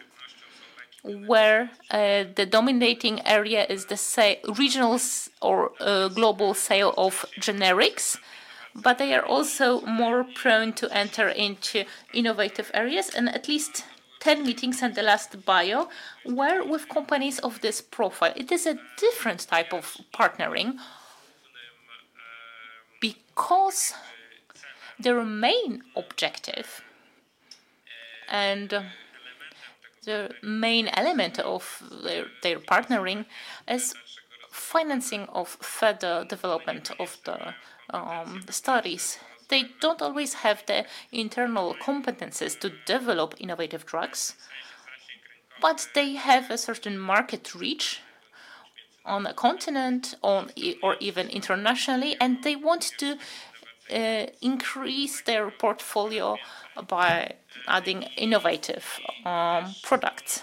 where the dominating area is the regional or global sale of generics, but they are also more prone to enter into innovative areas. At least 10 meetings in the last Bio-Europe were with companies of this profile. It is a different type of partnering because their main objective and the main element of their partnering is financing of further development of the studies. They don't always have the internal competencies to develop innovative drugs, but they have a certain market reach on the continent or even internationally, and they want to increase their portfolio by adding innovative products.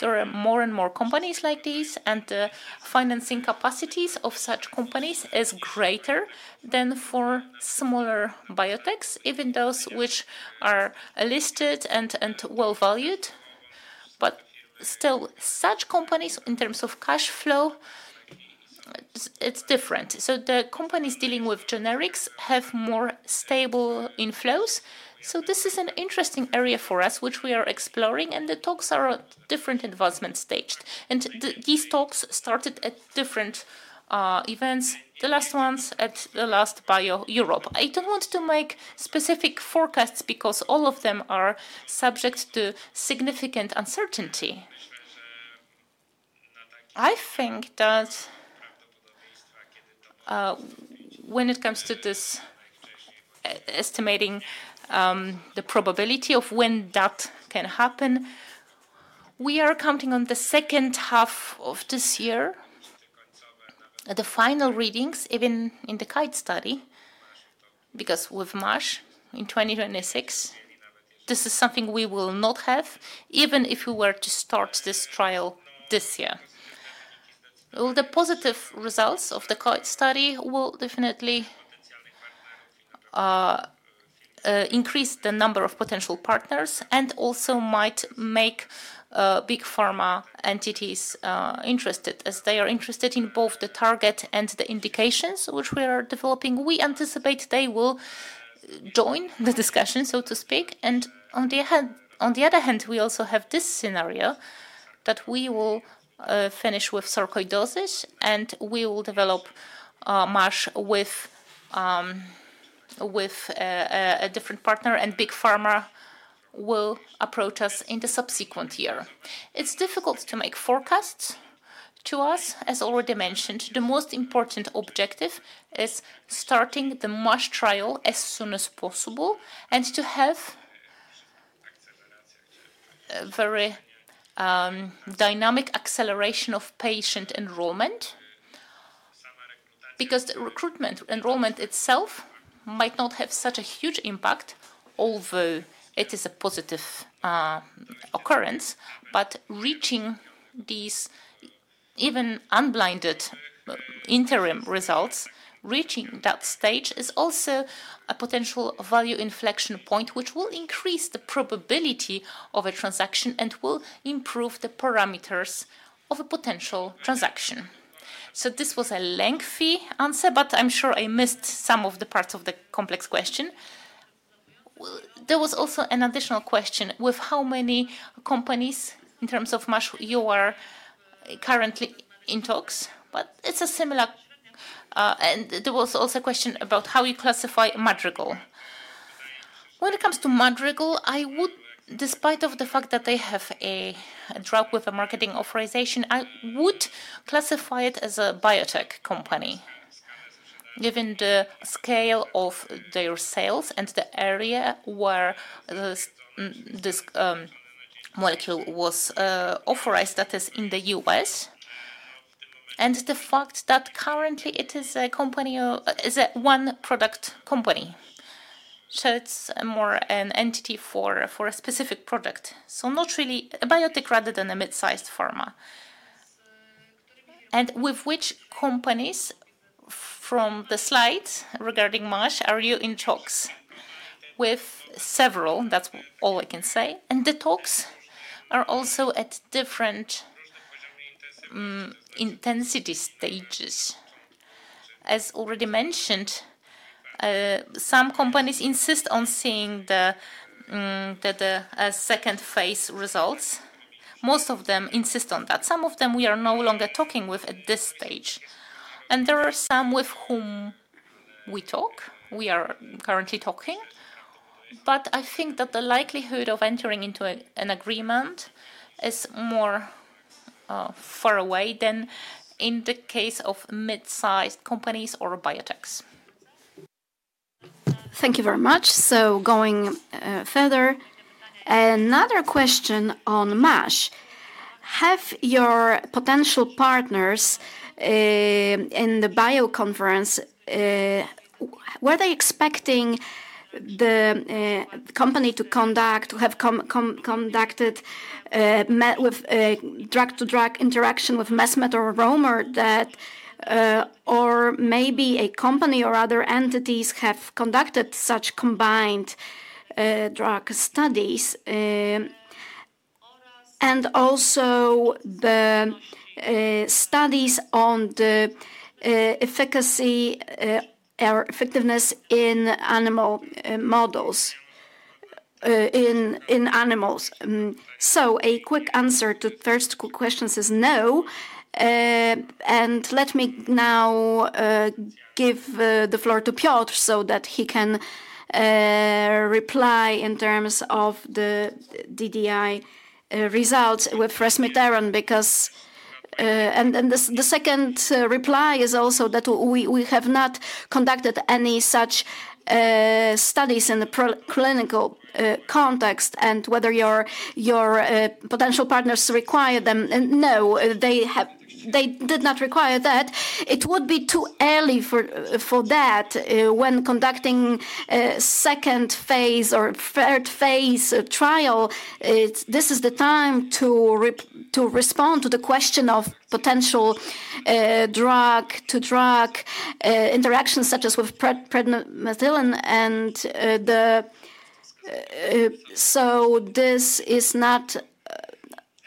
There are more and more companies like these, and the financing capacities of such companies are greater than for smaller biotechs, even those which are listed and well-valued. Still, such companies, in terms of cash flow, it's different. The companies dealing with generics have more stable inflows. This is an interesting area for us, which we are exploring, and the talks are at different advancement stages. These talks started at different events, the last ones at the last Bio-Europe. I don't want to make specific forecasts because all of them are subject to significant uncertainty. I think that when it comes to this estimating the probability of when that can happen, we are counting on the second half of this year, the final readings, even in the Guide study, because with MASH in 2026, this is something we will not have, even if we were to start this trial this year. The positive results of the Guide study will definitely increase the number of potential partners and also might make big pharma entities interested, as they are interested in both the target and the indications which we are developing. We anticipate they will join the discussion, so to speak. On the other hand, we also have this scenario that we will finish with sarcoidosis, and we will develop MASH with a different partner, and big pharma will approach us in the subsequent year. It's difficult to make forecasts to us. As already mentioned, the most important objective is starting the MASH trial as soon as possible and to have a very dynamic acceleration of patient enrollment, because the recruitment enrollment itself might not have such a huge impact, although it is a positive occurrence. Reaching these even unblinded interim results, reaching that stage is also a potential value inflection point, which will increase the probability of a transaction and will improve the parameters of a potential transaction. This was a lengthy answer, but I'm sure I missed some of the parts of the complex question. There was also an additional question with how many companies, in terms of MASH, you are currently in talks, but it's a similar question. There was also a question about how you classify Madrigal. When it comes to Madrigal, despite the fact that they have a drug with a marketing authorization, I would classify it as a biotech company, given the scale of their sales and the area where this molecule was authorized, that is, in the US, and the fact that currently it is a company is a one-product company. It is more an entity for a specific product. Not really a biotech rather than a mid-sized pharma. With which companies from the slides regarding MASH are you in talks? With several, that's all I can say. The talks are also at different intensity stages. As already mentioned, some companies insist on seeing the second phase results. Most of them insist on that. Some of them we are no longer talking with at this stage. There are some with whom we talk. We are currently talking. I think that the likelihood of entering into an agreement is more far away than in the case of mid-sized companies or biotechs. Thank you very much. Going further, another question on MASH. Have your potential partners in the bio conference, were they expecting the company to conduct, to have conducted drug-to-drug interaction with Resmetirom or Romer, or maybe a company or other entities have conducted such combined drug studies? Also the studies on the efficacy or effectiveness in animal models, in animals. A quick answer to the first questions is no. Let me now give the floor to Piotr so that he can reply in terms of the DDI results with Resmeterom, because the second reply is also that we have not conducted any such studies in the clinical context, and whether your potential partners require them. No, they did not require that. It would be too early for that. When conducting second phase or third phase trial, this is the time to respond to the question of potential drug-to-drug interactions, such as with Prednisolone. This is not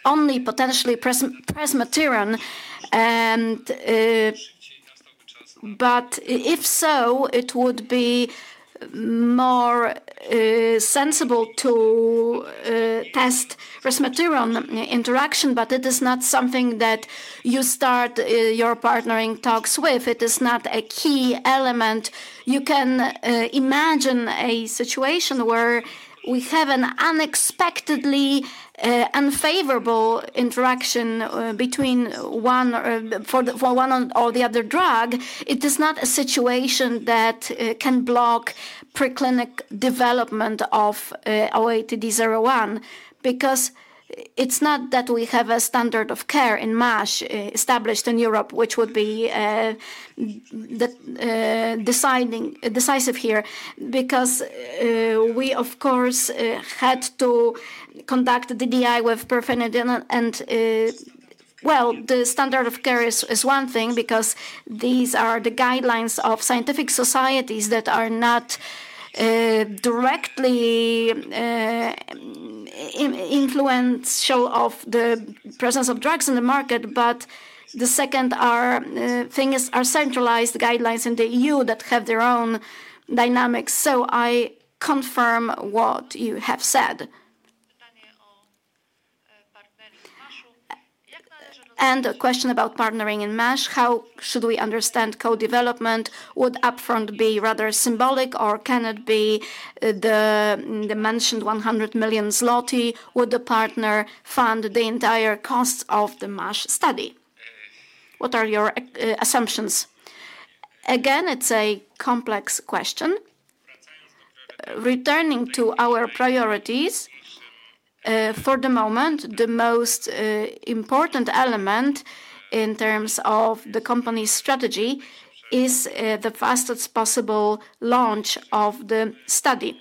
only potentially Resmetirom, but if so, it would be more sensible to test Reseiterom interaction, but it is not something that you start your partnering talks with. It is not a key element. You can imagine a situation where we have an unexpectedly unfavorable interaction between one or the other drug. It is not a situation that can block preclinic development of QATD-01, because it's not that we have a standard of care in MASH established in Europe, which would be decisive here, because we, of course, had to conduct DDI with Pirfenidone. The standard of care is one thing, because these are the guidelines of scientific societies that are not directly influential on the presence of drugs in the market, but the second thing is centralized guidelines in the EU that have their own dynamics. I confirm what you have said. A question about partnering in MASH. How should we understand co-development? Would upfront be rather symbolic, or can it be the mentioned 100 million zloty? Would the partner fund the entire cost of the MASH study? What are your assumptions? Again, it's a complex question. Returning to our priorities, for the moment, the most important element in terms of the company's strategy is the fastest possible launch of the study.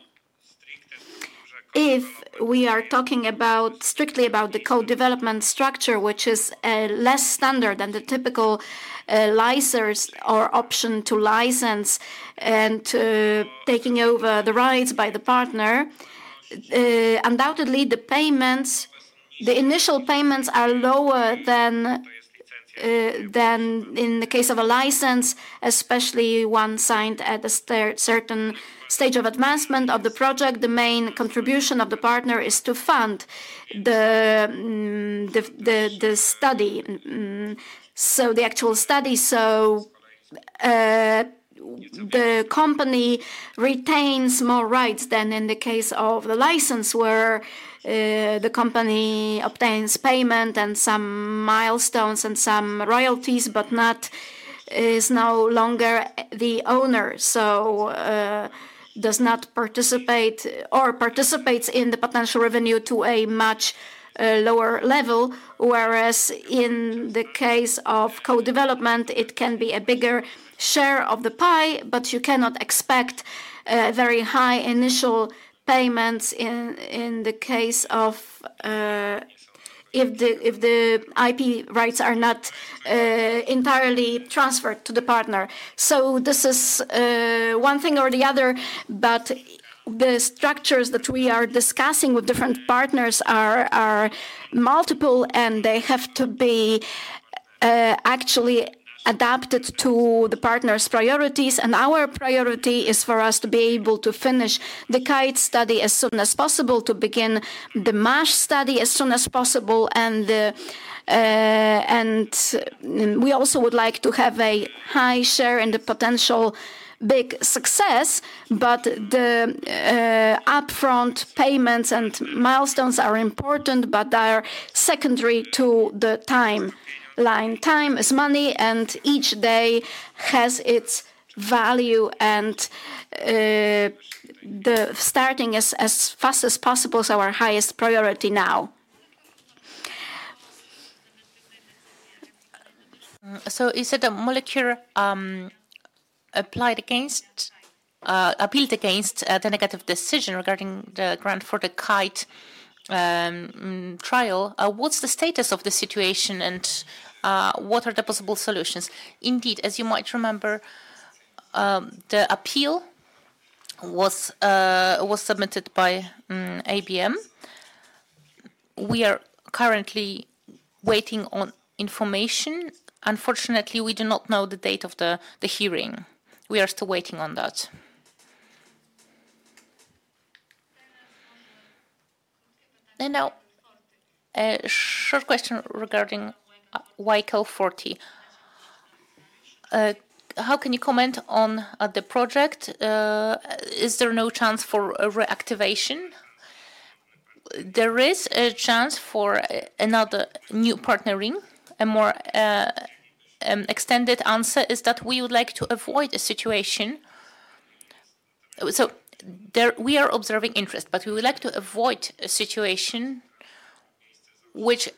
If we are talking strictly about the co-development structure, which is less standard than the typical license or option to license and taking over the rights by the partner, undoubtedly, the initial payments are lower than in the case of a license, especially one signed at a certain stage of advancement of the project. The main contribution of the partner is to fund the study, so the actual study. The company retains more rights than in the case of the license, where the company obtains payment and some milestones and some royalties, but is no longer the owner, so does not participate or participates in the potential revenue to a much lower level. Whereas in the case of co-development, it can be a bigger share of the pie, but you cannot expect very high initial payments in the case of if the IP rights are not entirely transferred to the partner. This is one thing or the other, but the structures that we are discussing with different partners are multiple, and they have to be actually adapted to the partner's priorities. Our priority is for us to be able to finish the Guide study as soon as possible, to begin the MASH study as soon as possible. We also would like to have a high share in the potential big success, but the upfront payments and milestones are important, but they are secondary to the timeline. Time is money, and each day has its value, and starting as fast as possible is our highest priority now. You said a molecule appealed against the negative decision regarding the grant for the KAIT trial. What's the status of the situation, and what are the possible solutions? Indeed, as you might remember, the appeal was submitted by ABM. We are currently waiting on information. Unfortunately, we do not know the date of the hearing. We are still waiting on that. A short question regarding YKL-40. How can you comment on the project? Is there no chance for reactivation? There is a chance for another new partnering. A more extended answer is that we would like to avoid a situation. We are observing interest, but we would like to avoid a situation which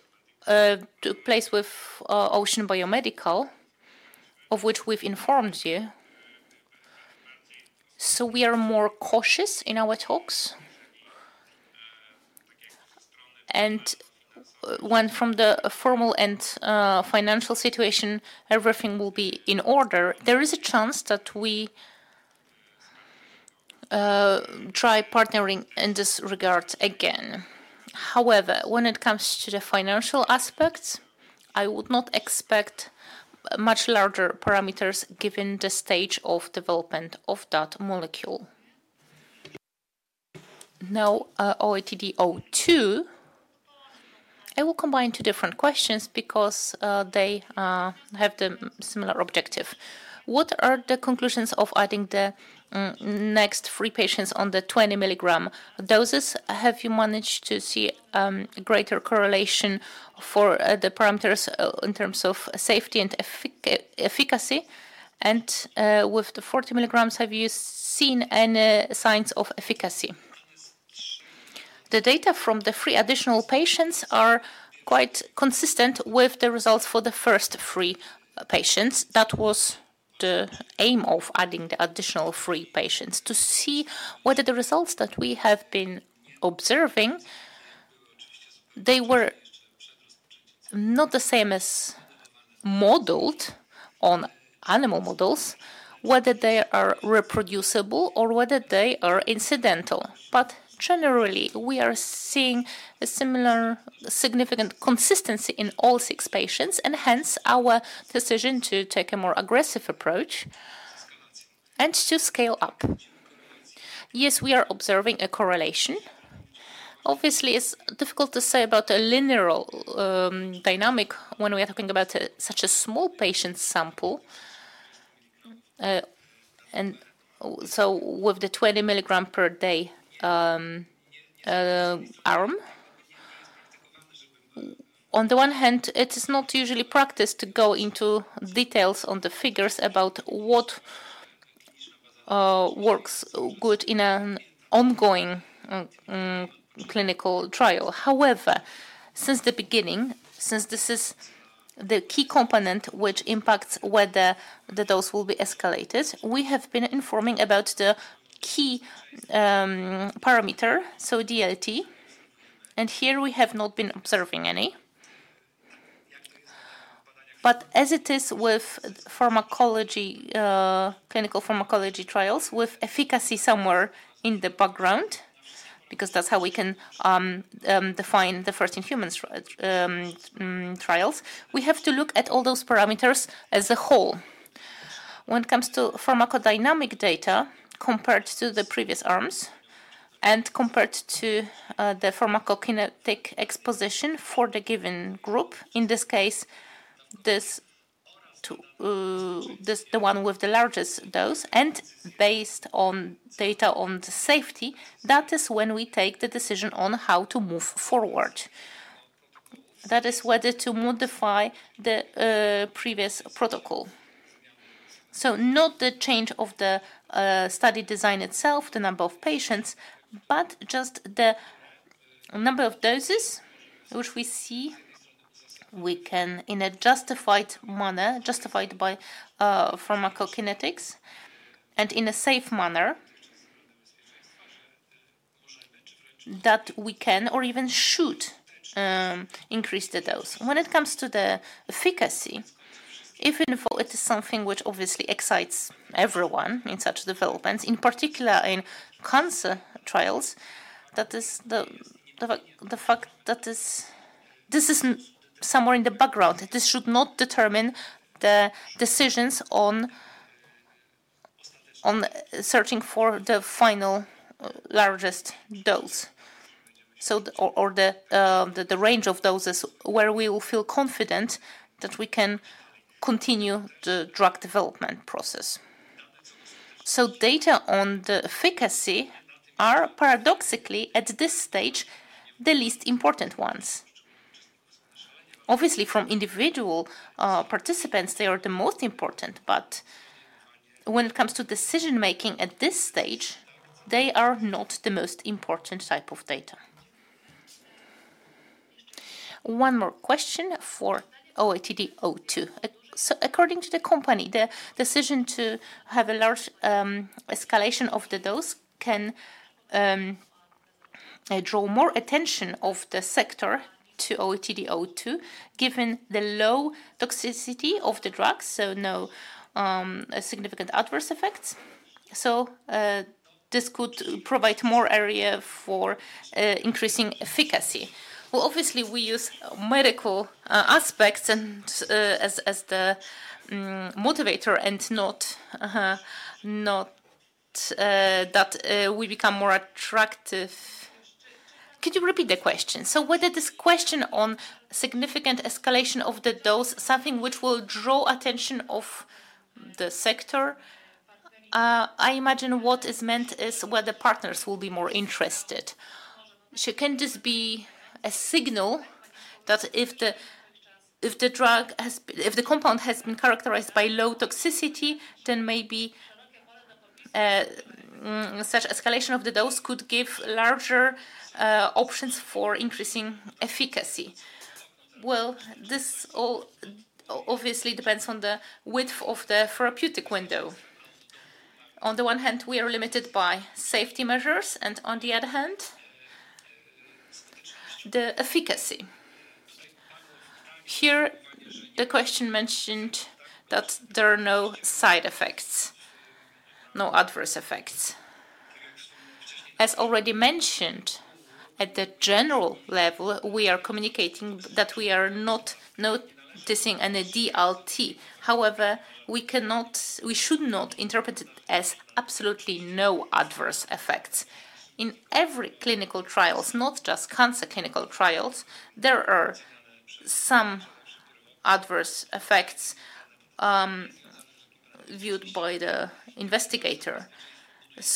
took place with Ocean Biomedical, of which we've informed you. We are more cautious in our talks. When from the formal and financial situation, everything will be in order, there is a chance that we try partnering in this regard again. However, when it comes to the financial aspects, I would not expect much larger parameters given the stage of development of that molecule. Now, QATD-02. I will combine two different questions because they have the similar objective. What are the conclusions of adding the next three patients on the 20-milligram doses? Have you managed to see greater correlation for the parameters in terms of safety and efficacy? With the 40 milligrams, have you seen any signs of efficacy? The data from the three additional patients are quite consistent with the results for the first three patients. That was the aim of adding the additional three patients. To see whether the results that we have been observing, they were not the same as modeled on animal models, whether they are reproducible or whether they are incidental. Generally, we are seeing a similar significant consistency in all six patients, and hence our decision to take a more aggressive approach and to scale up. Yes, we are observing a correlation. Obviously, it's difficult to say about a linear dynamic when we are talking about such a small patient sample. With the 20 mg per day arm, on the one hand, it is not usually practiced to go into details on the figures about what works good in an ongoing clinical trial. However, since the beginning, since this is the key component which impacts whether the dose will be escalated, we have been informing about the key parameter, so DLT. Here we have not been observing any. As it is with clinical pharmacology trials, with efficacy somewhere in the background, because that's how we can define the first-in-humans trials, we have to look at all those parameters as a whole. When it comes to pharmacodynamic data compared to the previous arms and compared to the pharmacokinetic exposition for the given group, in this case, the one with the largest dose, and based on data on the safety, that is when we take the decision on how to move forward. That is whether to modify the previous protocol. Not the change of the study design itself, the number of patients, but just the number of doses which we see we can in a justified manner, justified by pharmacokinetics, and in a safe manner that we can or even should increase the dose. When it comes to the efficacy, if it is something which obviously excites everyone in such developments, in particular in cancer trials, that is the fact that this is somewhere in the background. This should not determine the decisions on searching for the final largest dose or the range of doses where we will feel confident that we can continue the drug development process. Data on the efficacy are paradoxically, at this stage, the least important ones. Obviously, from individual participants, they are the most important, but when it comes to decision-making at this stage, they are not the most important type of data. One more question for QATD-02. According to the company, the decision to have a large escalation of the dose can draw more attention of the sector to QATD-02, given the low toxicity of the drug, so no significant adverse effects. This could provide more area for increasing efficacy. Obviously, we use medical aspects as the motivator and not that we become more attractive. Could you repeat the question? Whether this question on significant escalation of the dose, something which will draw attention of the sector, I imagine what is meant is whether partners will be more interested. Can this be a signal that if the drug, if the compound has been characterized by low toxicity, then maybe such escalation of the dose could give larger options for increasing efficacy? This obviously depends on the width of the therapeutic window. On the one hand, we are limited by safety measures, and on the other hand, the efficacy. Here, the question mentioned that there are no side effects, no adverse effects. As already mentioned, at the general level, we are communicating that we are not noticing any DLT. However, we should not interpret it as absolutely no adverse effects. In every clinical trial, not just cancer clinical trials, there are some adverse effects viewed by the investigator.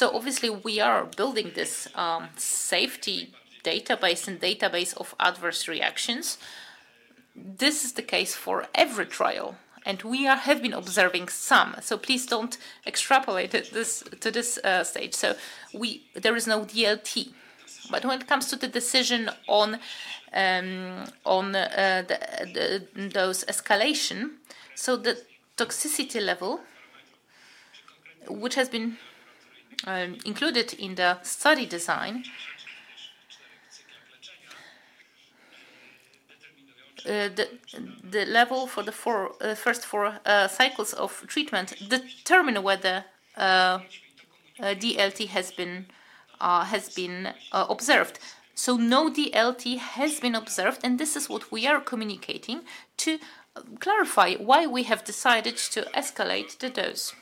Obviously, we are building this safety database and database of adverse reactions. This is the case for every trial, and we have been observing some. Please do not extrapolate to this stage. There is no DLT. When it comes to the decision on dose escalation, the toxicity level, which has been included in the study design, the level for the first four cycles of treatment determines whether DLT has been observed. No DLT has been observed, and this is what we are communicating to clarify why we have decided to escalate the dose.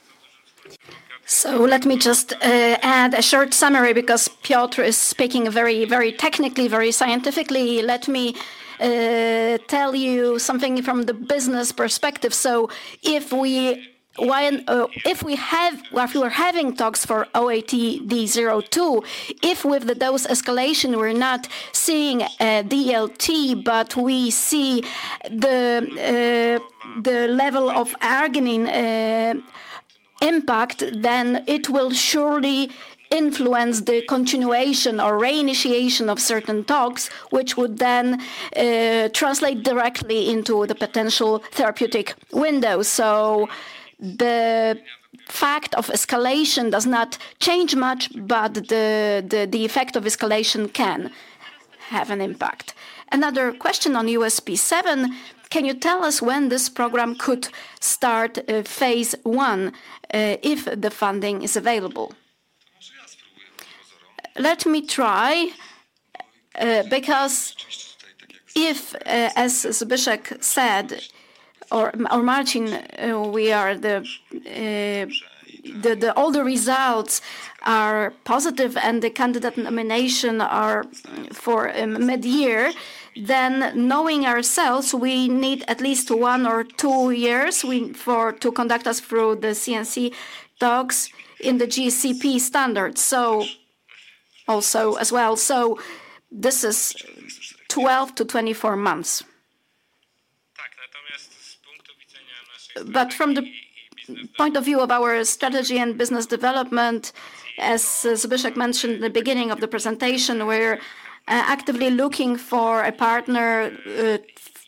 Let me just add a short summary because Piotr is speaking very technically, very scientifically. Let me tell you something from the business perspective. If we have talks for QATD-02, if with the dose escalation, we're not seeing DLT, but we see the level of arginine impact, then it will surely influence the continuation or reinitiation of certain talks, which would then translate directly into the potential therapeutic window. The fact of escalation does not change much, but the effect of escalation can have an impact. Another question on USP7. Can you tell us when this program could start phase one if the funding is available? Let me try because if, as Zbigniew said, or Marcin, we are the older results are positive and the candidate nomination are for mid-year, then knowing ourselves, we need at least one or two years to conduct us through the CNC talks in the GCP standards. This is 12-24 months. From the point of view of our strategy and business development, as Zbigniew mentioned in the beginning of the presentation, we're actively looking for a partner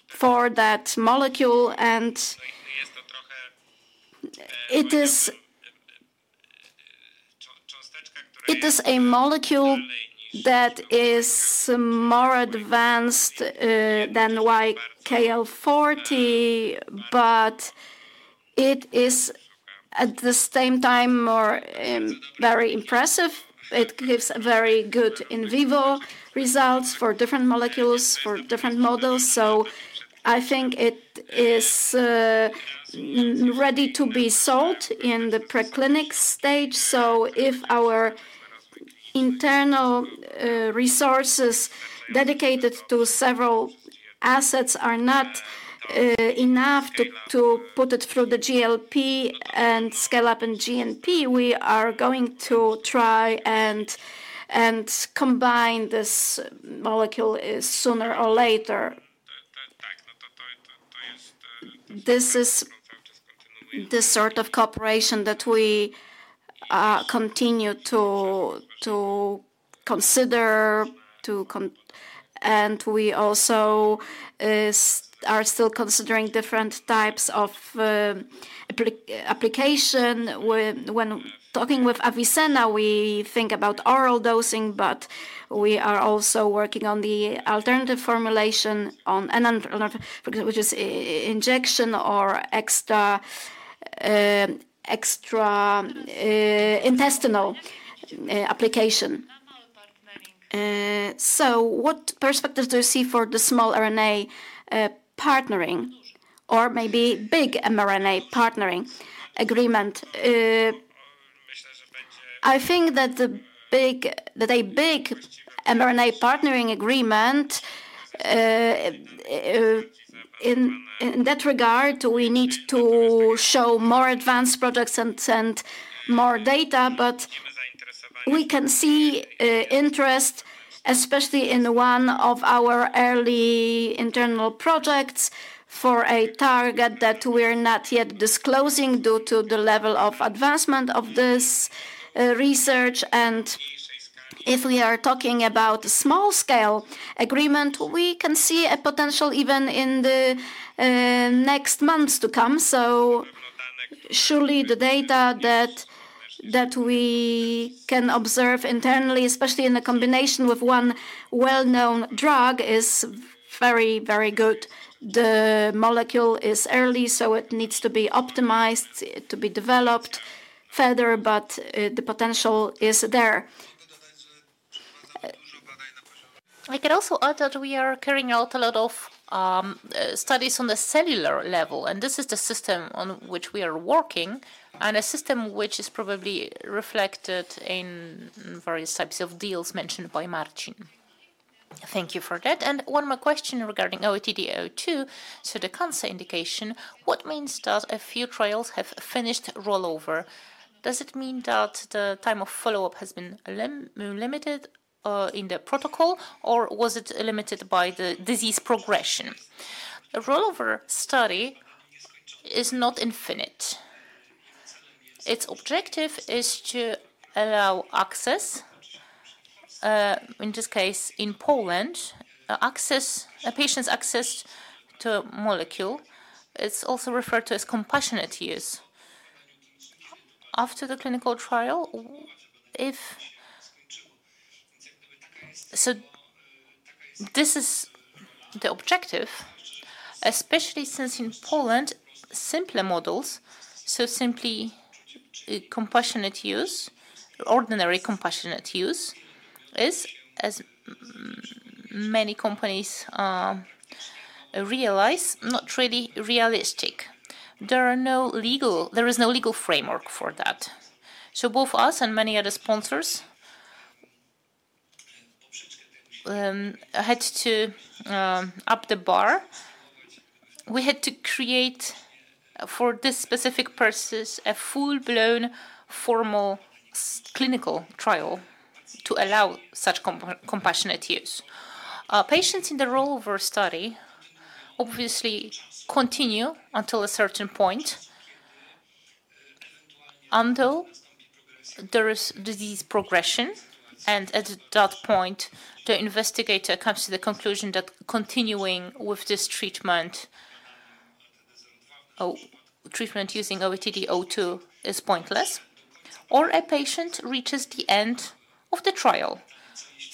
for that molecule. It is a molecule that is more advanced than YKL-40, but it is at the same time very impressive. It gives very good in vivo results for different molecules, for different models. I think it is ready to be sold in the preclinic stage. If our internal resources dedicated to several assets are not enough to put it through the GLP and scale up in GNP, we are going to try and combine this molecule sooner or later. This is the sort of cooperation that we continue to consider. We also are still considering different types of application. When talking with Avicenna, we think about oral dosing, but we are also working on the alternative formulation on an injection or extra intestinal application. What perspective do you see for the small RNA partnering or maybe big mRNA partnering agreement? I think that a big mRNA partnering agreement in that regard, we need to show more advanced products and send more data, but we can see interest, especially in one of our early internal projects for a target that we are not yet disclosing due to the level of advancement of this research. If we are talking about a small-scale agreement, we can see a potential even in the next months to come. Surely the data that we can observe internally, especially in the combination with one well-known drug, is very, very good. The molecule is early, so it needs to be optimized to be developed further, but the potential is there. I can also add that we are carrying out a lot of studies on the cellular level, and this is the system on which we are working and a system which is probably reflected in various types of deals mentioned by Marcin. Thank you for that. One more question regarding QATD-02. The cancer indication, what means that a few trials have finished rollover? Does it mean that the time of follow-up has been limited in the protocol, or was it limited by the disease progression? The rollover study is not infinite. Its objective is to allow access, in this case, in Poland, patients' access to a molecule. It's also referred to as compassionate use. After the clinical trial, if this is the objective, especially since in Poland, simpler models, so simply compassionate use, ordinary compassionate use, is, as many companies realize, not really realistic. There is no legal framework for that. Both us and many other sponsors had to up the bar. We had to create for this specific purpose a full-blown formal clinical trial to allow such compassionate use. Patients in the rollover study obviously continue until a certain point until there is disease progression, and at that point, the investigator comes to the conclusion that continuing with this treatment using QATD-02 is pointless, or a patient reaches the end of the trial.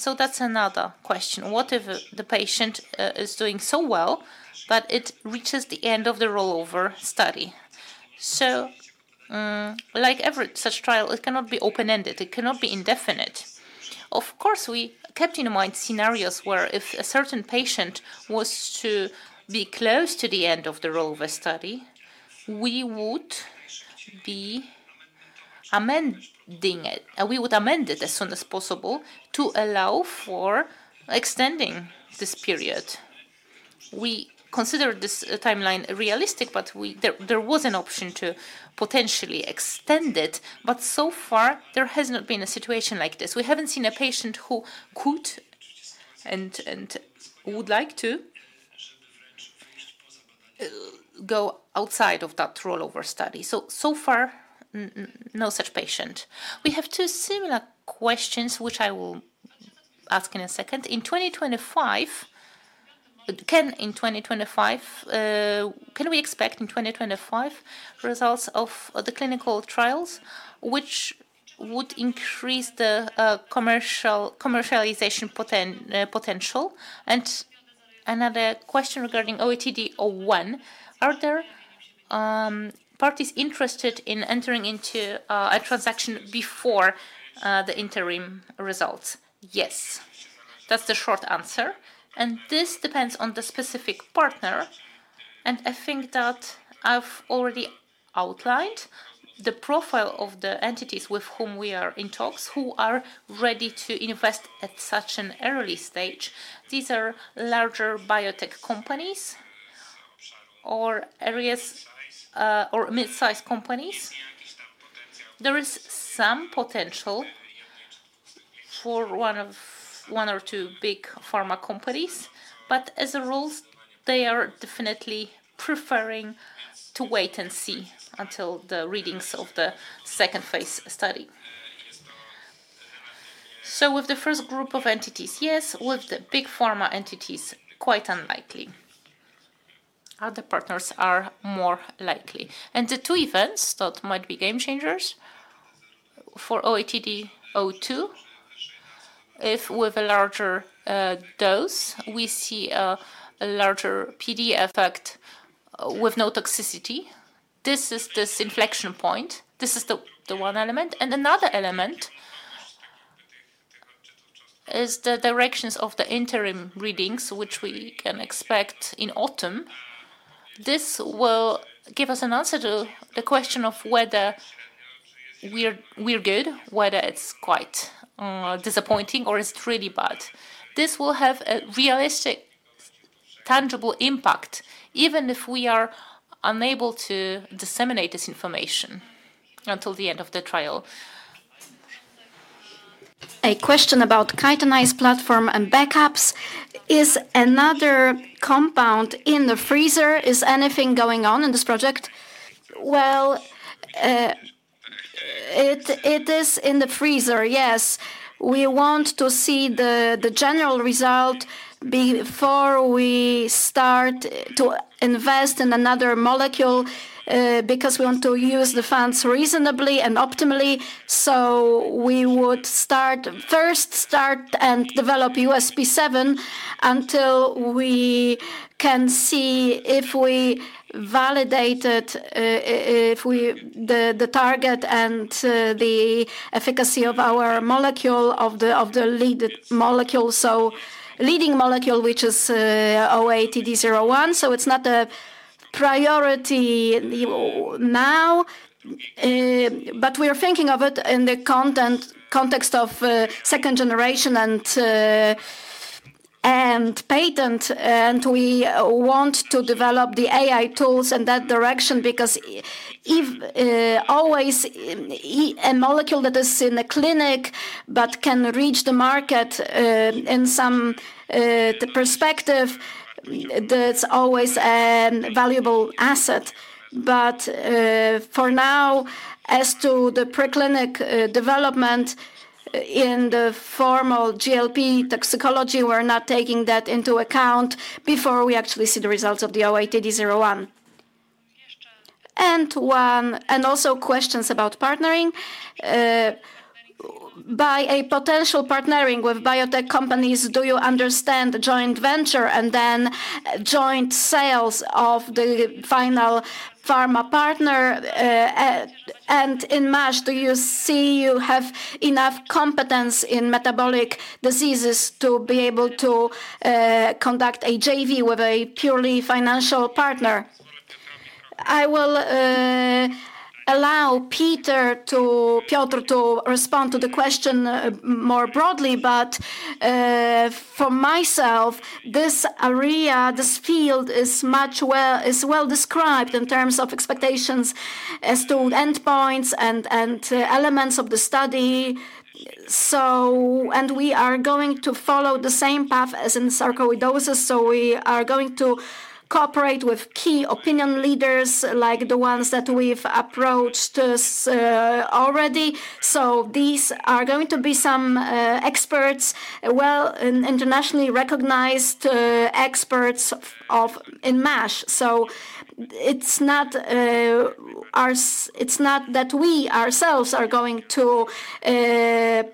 That is another question. What if the patient is doing so well, but it reaches the end of the rollover study? Like every such trial, it cannot be open-ended. It cannot be indefinite. Of course, we kept in mind scenarios where if a certain patient was to be close to the end of the rollover study, we would be amending it. We would amend it as soon as possible to allow for extending this period. We considered this timeline realistic, but there was an option to potentially extend it. So far, there has not been a situation like this. We have not seen a patient who could and would like to go outside of that rollover study. So far, no such patient. We have two similar questions, which I will ask in a second. In 2025, can we expect in 2025 results of the clinical trials, which would increase the commercialization potential? Another question regarding QATD-01. Are there parties interested in entering into a transaction before the interim results? Yes. That is the short answer. This depends on the specific partner. I think that I have already outlined the profile of the entities with whom we are in talks who are ready to invest at such an early stage. These are larger biotech companies or areas or mid-size companies. There is some potential for one or two big pharma companies, but as a rule, they are definitely preferring to wait and see until the readings of the second phase study. With the first group of entities, yes. With the big pharma entities, quite unlikely. Other partners are more likely. The two events that might be game changers for QATD-02, if with a larger dose, we see a larger PD effect with no toxicity. This is this inflection point. This is the one element. Another element is the directions of the interim readings, which we can expect in autumn. This will give us an answer to the question of whether we're good, whether it's quite disappointing, or it's really bad. This will have a realistic, tangible impact, even if we are unable to disseminate this information until the end of the trial. A question about chitinase platform and backups. Is another compound in the freezer? Is anything going on in this project? It is in the freezer, yes. We want to see the general result before we start to invest in another molecule because we want to use the funds reasonably and optimally. We would first start and develop USP7 until we can see if we validated the target and the efficacy of our molecule, of the lead molecule, so leading molecule, which is QATD-01. It is not a priority now, but we are thinking of it in the context of second generation and patent. We want to develop the AI tools in that direction because always a molecule that is in a clinic but can reach the market in some perspective, that's always a valuable asset. For now, as to the preclinic development in the formal GLP toxicology, we're not taking that into account before we actually see the results of the QATD-01. Also, questions about partnering. By a potential partnering with biotech companies, do you understand joint venture and then joint sales of the final pharma partner? In March, do you see you have enough competence in metabolic diseases to be able to conduct a JV with a purely financial partner? I will allow Piotr to respond to the question more broadly, but for myself, this area, this field is well described in terms of expectations as to endpoints and elements of the study. We are going to follow the same path as in sarcoidosis. We are going to cooperate with key opinion leaders like the ones that we've approached already. These are going to be some experts, well-internationally recognized experts in MASH. It is not that we ourselves are going to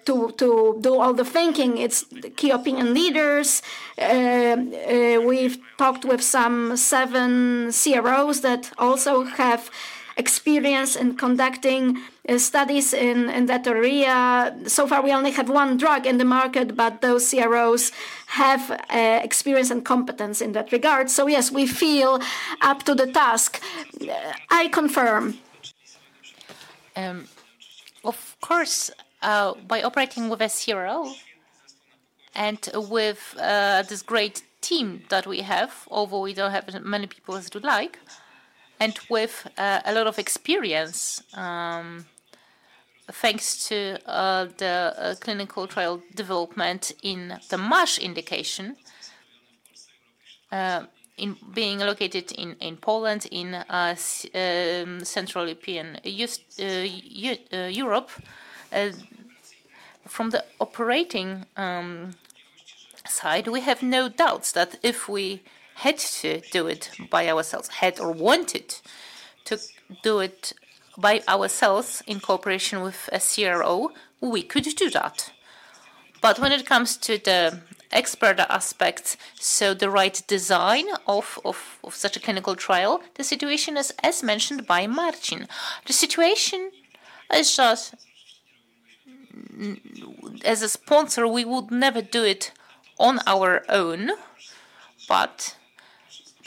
do all the thinking. It is key opinion leaders. We've talked with some seven CROs that also have experience in conducting studies in that area. So far, we only have one drug in the market, but those CROs have experience and competence in that regard. Yes, we feel up to the task. I confirm. Of course, by operating with a CRO and with this great team that we have, although we do not have as many people as we would like, and with a lot of experience thanks to the clinical trial development in the MASH indication being located in Poland, in Central European Europe, from the operating side, we have no doubts that if we had to do it by ourselves, had or wanted to do it by ourselves in cooperation with a CRO, we could do that. When it comes to the expert aspect, so the right design of such a clinical trial, the situation is as mentioned by Marcin. The situation is just, as a sponsor, we would never do it on our own.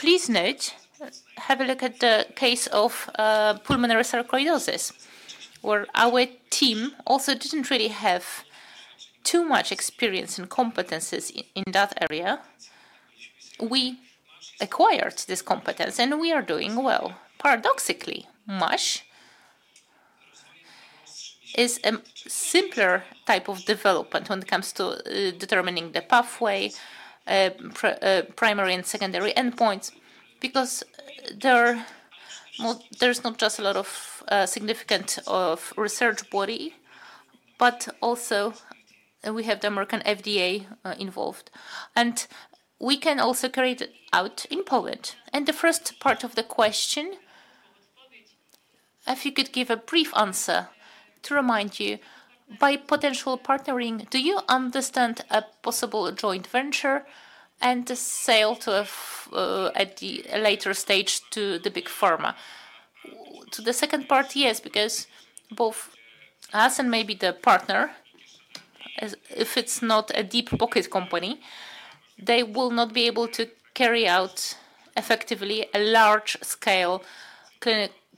Please note, have a look at the case of pulmonary sarcoidosis, where our team also did not really have too much experience and competencies in that area. We acquired this competence, and we are doing well. Paradoxically, MASH is a simpler type of development when it comes to determining the pathway, primary and secondary endpoints, because there's not just a lot of significance of research body, but also we have the American FDA involved. We can also carry it out in Poland. The first part of the question, if you could give a brief answer to remind you, by potential partnering, do you understand a possible joint venture and sale to a later stage to the big pharma? To the second part, yes, because both us and maybe the partner, if it's not a deep-pocket company, they will not be able to carry out effectively a large-scale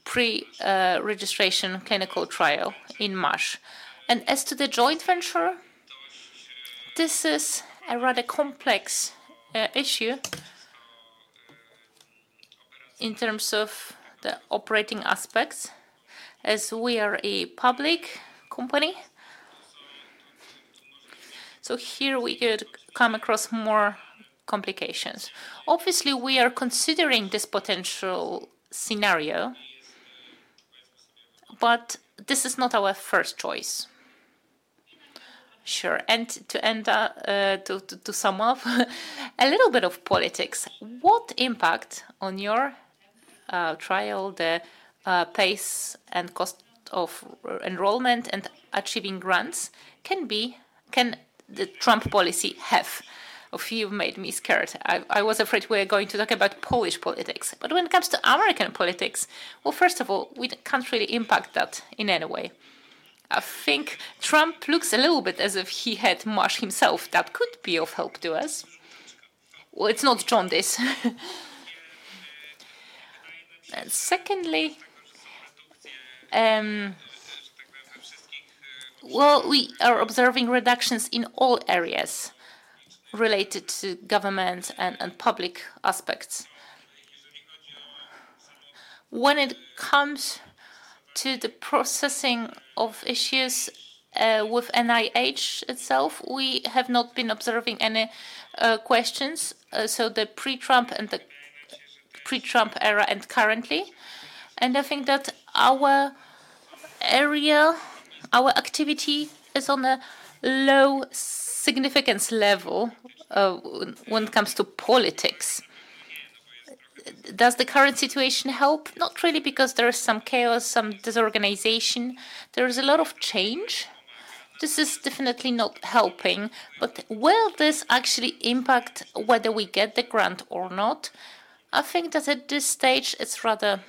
pre-registration clinical trial in MASH. As to the joint venture, this is a rather complex issue in terms of the operating aspects, as we are a public company. Here we could come across more complications. Obviously, we are considering this potential scenario, but this is not our first choice. Sure. To sum up, a little bit of politics. What impact on your trial, the pace and cost of enrollment and achieving grants can Trump policy have? You made me scared. I was afraid we were going to talk about Polish politics. When it comes to American politics, first of all, we can't really impact that in any way. I think Trump looks a little bit as if he had MASH himself. That could be of help to us. It's not John Dees. Secondly, we are observing reductions in all areas related to government and public aspects. When it comes to the processing of issues with NIH itself, we have not been observing any questions. The pre-Trump and the pre-Trump era and currently. I think that our area, our activity is on a low significance level when it comes to politics. Does the current situation help? Not really, because there is some chaos, some disorganization. There is a lot of change. This is definitely not helping. Will this actually impact whether we get the grant or not? I think that at this stage, it is rather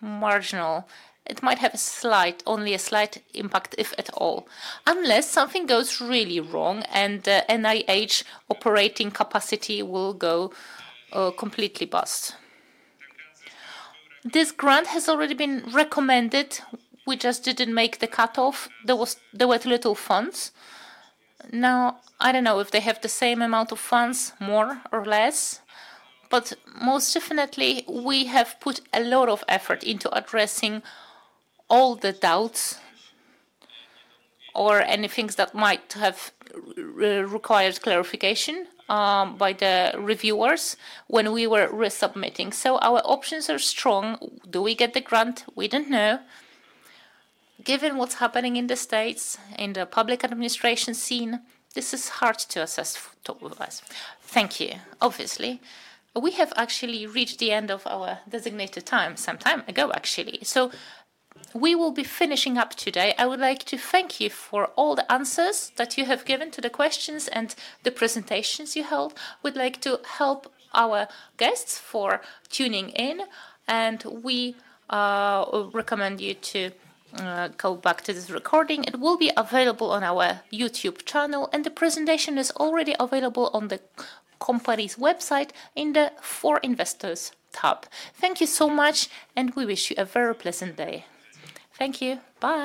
marginal. It might have only a slight impact, if at all, unless something goes really wrong and NIH operating capacity will go completely bust. This grant has already been recommended. We just did not make the cut-off. There were too little funds. Now, I don't know if they have the same amount of funds, more or less, but most definitely, we have put a lot of effort into addressing all the doubts or any things that might have required clarification by the reviewers when we were resubmitting. So our options are strong. Do we get the grant? We don't know. Given what's happening in the states, in the public administration scene, this is hard to assess for us. Thank you, obviously. We have actually reached the end of our designated time some time ago, actually. We will be finishing up today. I would like to thank you for all the answers that you have given to the questions and the presentations you held. We'd like to help our guests for tuning in. We recommend you to go back to this recording. It will be available on our YouTube channel. The presentation is already available on the company's website in the For Investors tab. Thank you so much, and we wish you a very pleasant day. Thank you. Bye.